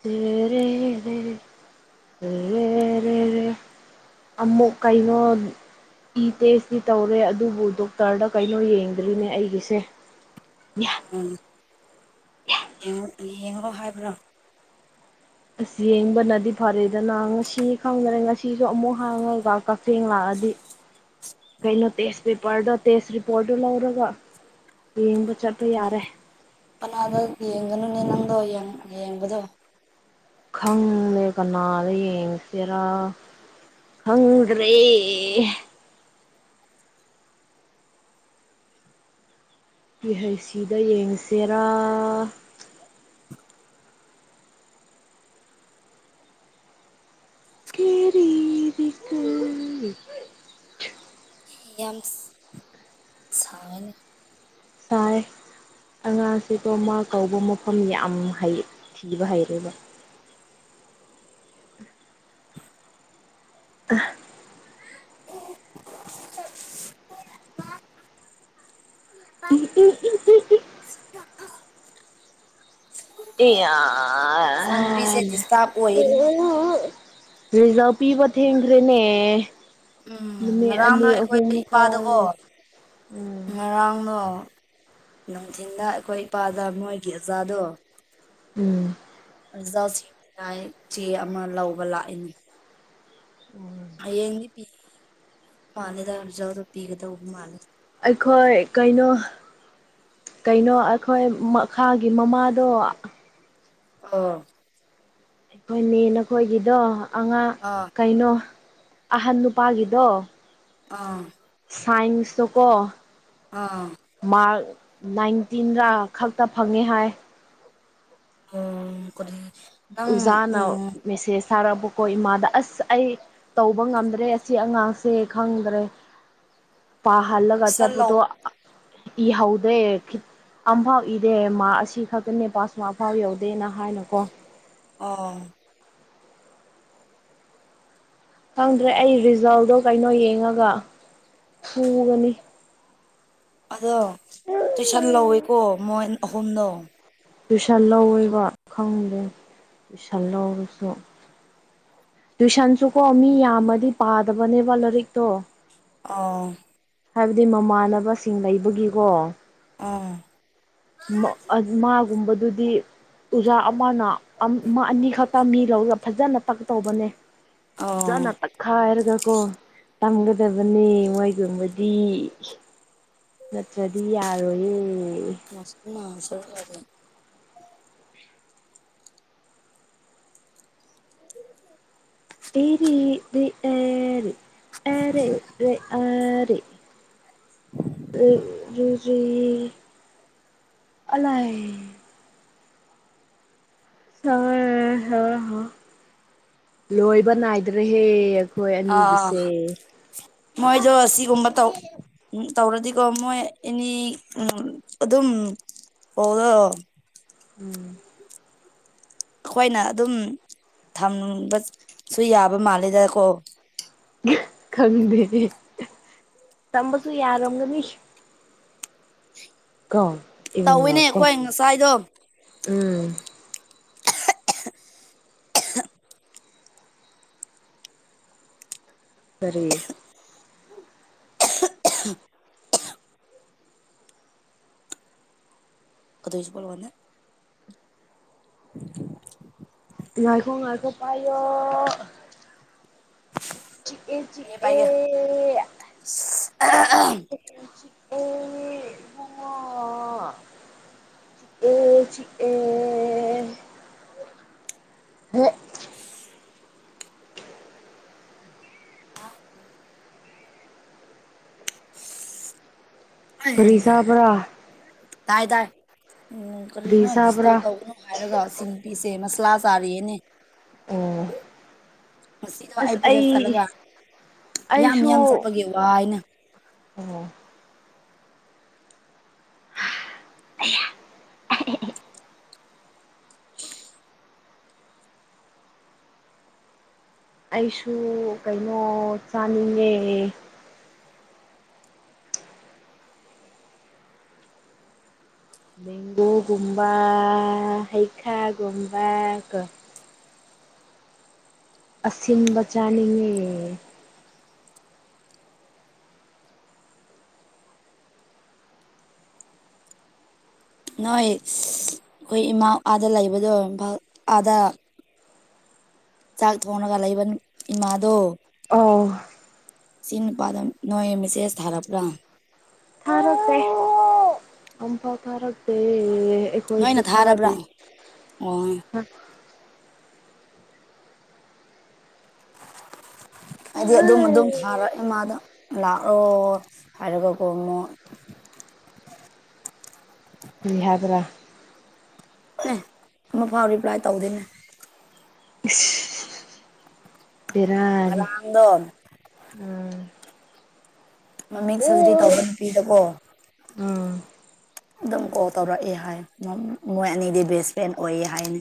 ꯆꯔꯦ ꯆꯔꯦ [UNINTELLIGIBLE] ꯑꯃꯃꯨꯛ ꯀꯩꯅꯣ ꯏ ꯇꯦꯁꯇꯤ ꯇꯧꯔꯦ ꯑꯗꯨꯕꯨ ꯗꯣꯛꯇꯔꯗ ꯀꯩꯅꯣ ꯌꯦꯡꯗ꯭ꯔꯤꯅꯦ ꯑꯩꯒꯤꯁꯦ ꯎꯝ ꯌꯦꯡꯉꯣ ꯍꯥꯏꯕ꯭ꯔꯣ ꯑꯁ ꯌꯦꯡꯕꯅꯗꯤ ꯐꯔꯦꯗꯅ ꯉꯁꯤ ꯈꯪꯗ꯭ꯔꯦ ꯉꯁꯤꯁꯨ ꯑꯃꯨꯛ ꯍꯥꯡꯉꯒ ꯀꯛꯊꯦꯡ ꯂꯥꯛꯑ ꯀꯩꯅꯣ ꯇꯦꯁ ꯄꯦꯄꯔꯗꯣ ꯇꯦꯁ ꯔꯤꯄꯣꯔꯠꯇꯣ ꯂꯧꯔꯒ ꯌꯦꯝꯕ ꯆꯠꯄ ꯌꯥꯔꯦ ꯀꯅꯥꯗꯥ ꯌꯦꯡꯒꯅꯨꯅꯦ ꯅꯪꯗꯣ ꯌꯦꯡꯕꯗꯣ ꯈꯪꯅ‌ꯦ ꯀꯅꯥꯗ ꯌꯦꯡꯁꯤꯔꯥ ꯐꯃꯨꯡꯗ ꯂꯩꯌ‌ꯦ ꯄꯤ ꯍꯩ ꯁꯤꯗ ꯌꯦꯡꯁꯤꯔꯥ ꯀꯦꯔꯤꯔꯤꯀ ꯌꯥꯝ ꯁꯅꯤ ꯇ ꯑꯉꯥꯡꯁꯤꯗꯣ ꯃꯥ ꯀꯧꯕ ꯃꯐꯝ ꯌꯥꯝ ꯊꯤꯕ ꯍꯩꯔꯦꯕ [INAUDIBLE] ꯑ [INAUDIBLE] [INAUDIBLE] ꯏꯆꯥꯅꯨꯄꯤꯁꯦ ꯗꯤꯁꯇꯥꯔꯕ ꯑꯣꯏꯌꯦꯅꯦ ꯑꯦꯖ ꯄꯤꯕ ꯊꯦꯡꯈ꯭ꯔꯦꯅꯦ ꯎꯝ ꯅꯨꯃꯤꯠ ꯑꯅꯤ ꯑꯍꯨꯝꯥꯔꯒ ꯃꯥꯡꯗ ꯅꯨꯡꯊꯤꯟꯗ ꯑꯩꯈꯣꯏ ꯏꯄꯥꯗ ꯃꯣꯏꯒꯤ ꯑꯆꯥꯗꯣ ꯎꯝ ꯖꯥ ꯆꯦꯗꯥꯏ ꯆꯦ ꯑꯃ ꯂꯧꯕ ꯂꯥꯛꯏꯅꯦ ꯍꯌꯦꯡꯗꯤ ꯄꯤ ꯃꯥꯂꯦꯗꯖꯥꯎꯗ ꯄꯤꯒꯗꯧꯕ ꯃꯥꯜꯂꯦꯗ ꯑꯩꯈꯣꯏ ꯀꯩꯅꯣ ꯀꯩꯅꯣ ꯑꯩꯈꯣꯏ ꯃꯈꯥꯒꯤ ꯃꯃꯥꯗꯣ ꯑꯥ ꯑꯩꯈꯣꯏꯅꯦ ꯅꯈꯣꯏꯒꯤꯗꯣ ꯑꯉꯥꯡ ꯑꯥ ꯀꯩꯅꯣ ꯑꯍꯟ ꯅꯨꯄꯥꯒꯤꯗꯣ ꯑꯥ ꯁꯥꯏꯟꯁꯇ ꯀꯣ ꯑꯥ ꯃꯥꯔ ꯅꯥꯏꯟꯇꯤꯟ ꯔ ꯈꯛꯇ ꯐꯪꯉꯦ ꯍꯥꯏ ꯎ ꯀ ꯑꯣꯖꯥꯅ ꯃꯦꯁꯦꯁ ꯁꯥꯔꯛꯄꯀꯣ ꯏꯃꯥꯗ ꯑꯁ ꯑꯩ ꯇꯧꯕ ꯉꯝꯗ꯭ꯔꯦ ꯑꯁꯤ ꯑꯉꯥꯡꯁꯦ ꯈꯪꯗ꯭ꯔꯦ [UNINTELLIGIBLE] ꯄ ꯍꯜꯂꯒ ꯇꯨꯏꯁꯟ ꯂꯧ ꯍꯥꯆꯥꯕꯨꯣ ꯏ ꯍꯗꯦ ꯑꯝꯐꯥꯎ ꯏꯗꯦ ꯃꯥ ꯑꯁꯤ ꯈꯛꯇꯅꯦ ꯄꯥꯁꯃ ꯑꯐꯥꯎ ꯌꯧꯗꯦꯅ ꯍꯥꯏꯅꯀꯣ ꯑꯣ ꯈꯪꯗ꯭ꯔꯦ ꯑꯩ ꯔꯤꯖꯜꯗꯣ ꯀꯩꯅꯣ ꯌꯦꯡꯉꯒ ꯄꯨꯒꯅꯤ ꯑꯗꯣ ꯇꯨꯏꯁꯟ ꯂꯧꯋꯦꯀꯣ ꯃꯣꯏ ꯑꯍꯨꯝꯗꯣ ꯄꯨꯁꯥꯠ ꯂꯧꯋꯦꯕ ꯈꯪꯗꯦ ꯄꯨꯏꯁꯜ ꯂꯧꯔꯁꯨ ꯇꯨꯏꯁꯟꯁꯨꯀꯣ ꯃꯤ ꯌꯥꯝꯃꯗꯤ ꯄꯥꯗꯕꯅꯦꯕ ꯂꯥꯏꯔꯤꯛꯇꯣ ꯑꯥ ꯍꯥꯏꯕꯗꯤ ꯃꯃꯥꯟꯅꯕꯁꯤꯡ ꯂꯩꯕꯒꯤꯀꯣ ꯑꯥ ꯃꯥꯒꯨꯝꯕꯗꯨꯗꯤ ꯑꯣꯖꯥ ꯑꯃꯅ ꯑꯅꯤꯈꯛꯇ ꯇꯃꯤ ꯂꯧꯔꯒ ꯐꯖꯅ ꯇꯛ ꯇꯧꯕꯅꯦ ꯑꯣ ꯐꯖꯅ ꯇꯛꯈꯥꯏꯔꯒ ꯀꯣ ꯇꯝꯒꯗꯕꯅꯤ ꯃꯣꯏꯒꯨꯝꯕꯗꯤ ꯅꯠꯇ꯭ꯔꯗꯤ ꯌꯥꯔꯣꯌꯦ ꯃꯁꯁꯦ ꯀ ꯑꯦꯔꯤꯔꯤ ꯑꯦꯔ ꯑꯔꯤ ꯔꯤ ꯑꯂ ꯍ ꯍ ꯍ ꯂꯣꯍꯤꯕꯅꯥ ꯍꯥꯏꯗ꯭ꯔꯦ ꯍꯦ ꯑꯩꯈꯣꯏ ꯑꯥ ꯑꯅꯤꯒꯤꯁꯦ ꯃꯣꯏꯗꯣ ꯑꯁꯤꯒꯨꯝꯕ ꯇꯧ ꯎꯝ ꯇꯧꯔꯗꯤꯀꯣ ꯃꯣꯏ ꯑꯦꯅꯤ ꯎꯝ ꯑꯗꯨꯝ ꯑꯣꯗ ꯎꯝ ꯑꯩꯈꯣꯏꯅ ꯑꯗꯨꯝ ꯊꯝꯅꯤꯡꯕꯁꯨ ꯌꯥꯕ ꯃꯥꯜꯂꯦꯗꯀꯣ ꯈꯪꯗꯦ ꯇꯝꯕꯁꯨ ꯌꯥꯔꯣꯝꯒꯅꯤ ꯀꯣ ꯇꯧꯋꯤꯅꯦ ꯏꯕꯨꯡꯉꯣꯀꯣ ꯑꯩꯈꯣꯏ ꯉꯁꯥꯏꯗꯣ ꯎꯝ ꯐꯔꯤ ꯀꯗꯁꯨꯄꯂ ꯋꯥꯗ [UNINTELLIGIBLE] ꯉꯥꯏꯈꯣꯡ ꯉꯥꯏꯈꯣꯡ ꯄꯌꯣ ꯤ ꯑꯦ ꯆ ꯄꯥꯏꯒꯦ ꯄꯥꯏꯒꯦ ꯑꯦ [UNINTELLIGIBLE] ꯑꯦ ꯆ ꯑꯦ ꯍꯦ ꯐꯔꯤꯁꯥꯄ꯭ꯔꯥ ꯗꯥꯥꯏ ꯇꯗꯥꯥꯏ ꯎꯝ ꯀꯔꯤꯅꯣ ꯆꯥꯕ꯭ꯔꯥ ꯗꯤꯁꯇꯥꯔꯕ ꯇꯧꯒꯅꯣ ꯍꯥꯏꯔꯒ ꯁꯤ ꯅꯨ ꯄꯤꯁꯦꯁ ꯀ꯭ꯂꯥꯖꯥꯔꯤꯌꯦꯅꯦ ꯑꯣ ꯁꯤ ꯑꯥꯏ ꯑꯁ ꯄꯤꯔꯦꯁ ꯑꯩ ꯑꯂꯒ ꯌꯥꯝ ꯑꯩꯁꯨ ꯌꯥꯝ ꯆꯞꯄꯒꯤꯦ ꯋꯥ ꯑꯅ ꯑꯣ [UNINTELLIGIBLE] ꯑꯩꯁꯨ ꯀꯩꯅꯣ ꯆꯥꯅꯤꯡꯉꯦ ꯦꯡꯒꯨꯒꯨꯝꯕ ꯍꯩꯈꯥꯒꯨꯝꯕ ꯀ ꯑꯁꯤꯟꯕ ꯆꯅꯤꯌꯦꯦ ꯅꯣꯏ ꯑꯩꯈꯣꯏ ꯏꯃꯥ ꯑꯥꯗ ꯂꯩꯕꯗꯣ ꯏꯝ ꯑꯥꯗ ꯆꯥꯛ ꯊꯣꯡꯉꯒ ꯂꯩꯏꯕ ꯏꯃꯥꯗꯣ ꯑꯣ ꯁꯤꯆ ꯅꯨꯄꯥꯗ ꯅꯣꯏ ꯃꯦꯁꯦꯁ ꯊꯥꯔꯕ꯭ꯔꯥ ꯑꯝꯕ ꯇꯔꯛꯗꯦ ꯑꯩꯈꯣꯏꯁꯨ ꯅꯣꯏꯅ ꯊꯥꯔꯕ꯭ꯔꯥ ꯊꯥꯖ ꯑꯣ [UNINTELLIGIBLE] ꯍꯥꯏꯗꯤ ꯑꯗꯨꯝ ꯑꯗꯨꯝ ꯊꯥꯔꯛ ꯀꯔꯤ ꯏꯃꯥꯗ ꯂꯥꯛꯑꯣ ꯍꯥꯏꯔꯒꯀꯣ ꯑꯃꯨꯛ [UNINTELLIGIBLE] ꯕꯤꯍꯕ꯭ꯔꯥ ꯑꯦ ꯑꯃꯐꯥꯎ ꯔꯤꯄ꯭ꯂꯥꯏ ꯇꯧꯗꯣꯏꯅꯦ [UNINTELLIGIBLE] ꯕꯔꯅꯤ ꯉꯔꯥꯡꯗꯣ ꯎꯝ ꯃꯃꯤꯡ ꯁꯔꯖꯔꯤ ꯇꯧꯕ ꯅꯨꯄꯤꯗꯕꯣ ꯎꯝ ꯑꯗꯨꯝ ꯀꯣꯜ ꯇꯧꯔꯛꯑꯦ ꯍꯥꯏ ꯃꯣꯏ ꯑꯅꯤꯗꯤ ꯕꯦꯁ ꯐ꯭ꯔꯦꯟ ꯑꯣꯏꯌꯦ ꯍꯥꯏꯅꯤ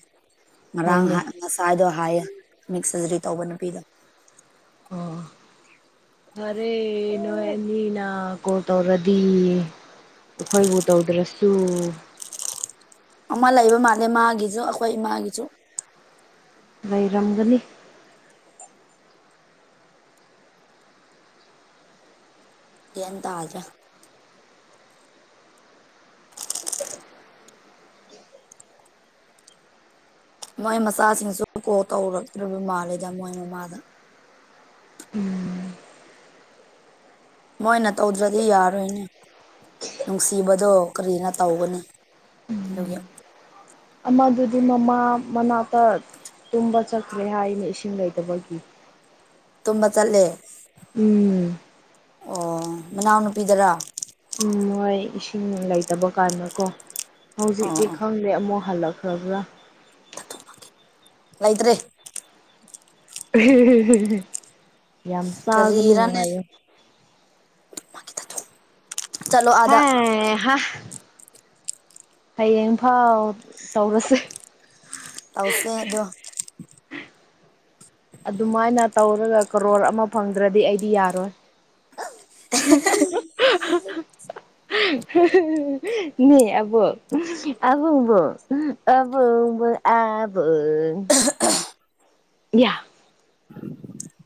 ꯉꯔꯥꯡ ꯍꯣꯏꯅꯦ ꯉꯁꯥꯏꯗꯣ ꯍꯥꯏꯌꯦ ꯃꯤꯛ ꯁꯔꯖꯔꯤ ꯇꯧꯕ ꯅꯨꯄꯤꯗꯣ ꯑꯔꯦ ꯅꯣꯏ ꯑꯅꯤꯅ ꯀꯣꯜ ꯇꯧꯔꯗꯤ ꯑꯩꯈꯣꯏꯕꯨ ꯇꯧꯗ꯭ꯔꯁꯨ ꯑꯃ ꯂꯩꯕ ꯃꯥꯜꯂꯦ ꯃꯥꯒꯤꯁꯨ ꯑꯩꯈꯣꯏ ꯏꯃꯥꯒꯤꯁꯨ ꯂꯩꯔꯝꯒꯅꯤ ꯍꯟ ꯇꯖꯦ ꯃꯣꯏ ꯃꯆꯥꯁꯤꯡꯁꯨ ꯀꯣ ꯇꯧꯔꯛꯇ꯭ꯔꯔꯤꯕ ꯃꯥꯜꯜꯂꯤꯦꯗ ꯃꯣꯏ ꯃꯃꯥꯗ ꯎꯝ ꯃꯣꯏꯅ ꯇꯧꯗ꯭ꯔꯗꯤ ꯌꯥꯔꯣꯏꯅꯦ ꯅꯨꯡꯁꯤꯕꯗꯣ ꯀꯔꯤꯅ ꯇꯧꯒꯅꯤ ꯑꯗꯨꯒꯤ ꯑꯃꯗꯨꯗꯤ ꯃꯃꯥ ꯃꯅꯥꯛꯇ ꯇꯨꯝꯕ ꯆꯈ꯭ꯔꯦ ꯍꯥꯏꯅ ꯏꯁꯤꯡ ꯂꯩꯗꯕꯒꯤ ꯇꯨꯝꯝꯕ ꯆꯂꯦ ꯎꯝ ꯑꯣ ꯃꯅꯥꯎꯅꯨꯄꯤꯗꯔ ꯃꯣꯏ ꯏꯁꯤꯡꯅꯨꯡ ꯂꯩꯇꯕ ꯀꯥꯟꯗꯀꯣ ꯑꯣ ꯍꯧꯖꯤꯛꯇꯤ ꯑꯣ ꯈꯪꯗꯦ ꯑꯃꯨꯛ ꯐꯂꯛ ꯐ꯭ꯔꯕ ꯂꯩꯇ꯭ꯔꯦ ꯌꯥꯝ ꯁꯥꯒꯅꯨ ꯀꯔꯤꯔꯅꯦ ꯍꯥꯏꯌꯦ ꯆꯠꯂꯣ ꯑꯥꯗ ꯍ ꯍꯌꯦꯡꯐꯥꯎ ꯇꯧꯔꯁꯦ ꯇꯥꯎꯁꯦꯗꯣ ꯑꯗꯨꯃꯥꯏꯅ ꯇꯧꯔꯒ ꯀꯔꯣꯔ ꯑꯃ ꯐꯪꯗ꯭ꯔꯗꯤ ꯑꯩꯗꯤ ꯌꯥꯔꯣꯏ [INAUDIBLE] ꯅ ꯑꯕ ꯑꯕꯨꯡꯕꯨꯕꯨꯡꯕꯨ ꯑꯦꯕ ꯌꯥ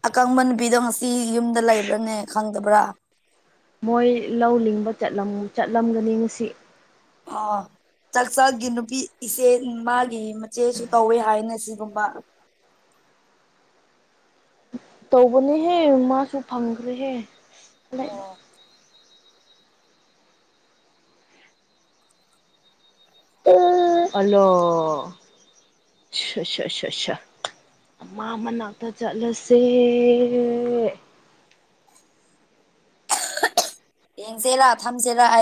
ꯑꯀꯪꯕ ꯅꯨꯄꯤꯗꯣ ꯉꯁꯤ ꯌꯨꯝꯗ ꯂꯩꯕ꯭ꯔꯥꯅꯦ ꯈꯪꯗꯕ꯭ꯔꯥ ꯃꯣꯏ ꯂꯧ ꯂꯤꯡꯕ ꯆꯠꯂꯝꯒꯅꯤ ꯉꯁꯤ ꯑ ꯆꯥꯛꯆꯥꯥꯛꯒꯤ ꯅꯨꯄꯤ ꯏꯆꯦ ꯃꯥꯒꯤ ꯃꯆꯦꯁꯨ ꯇꯧꯋꯦ ꯍꯥꯏꯅ ꯁꯤ ꯀꯕ ꯇꯧꯕꯅꯦꯍꯦ ꯃꯥꯁꯨ ꯐꯪꯈ꯭ꯔꯦꯍꯦ ꯑꯗꯨꯗ ꯑꯣ ꯍꯜꯂꯣ ꯑꯆꯥ ꯑꯆꯥ ꯑ ꯃ ꯃꯅꯥꯛꯇ ꯆꯠꯂꯁꯦ ꯌꯦꯡꯁꯦꯔꯥ ꯊꯝꯁꯦꯔꯑ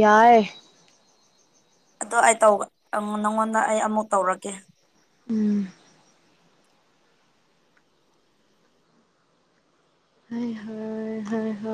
ꯌꯥꯏ ꯑꯗꯣ ꯑꯩ ꯇ ꯅꯪꯉꯣꯟꯗ ꯑꯩ ꯑꯃꯨꯛ ꯇꯧꯔꯒꯦ ꯎꯝ ꯍ ꯍ ꯍ ꯍꯣꯏ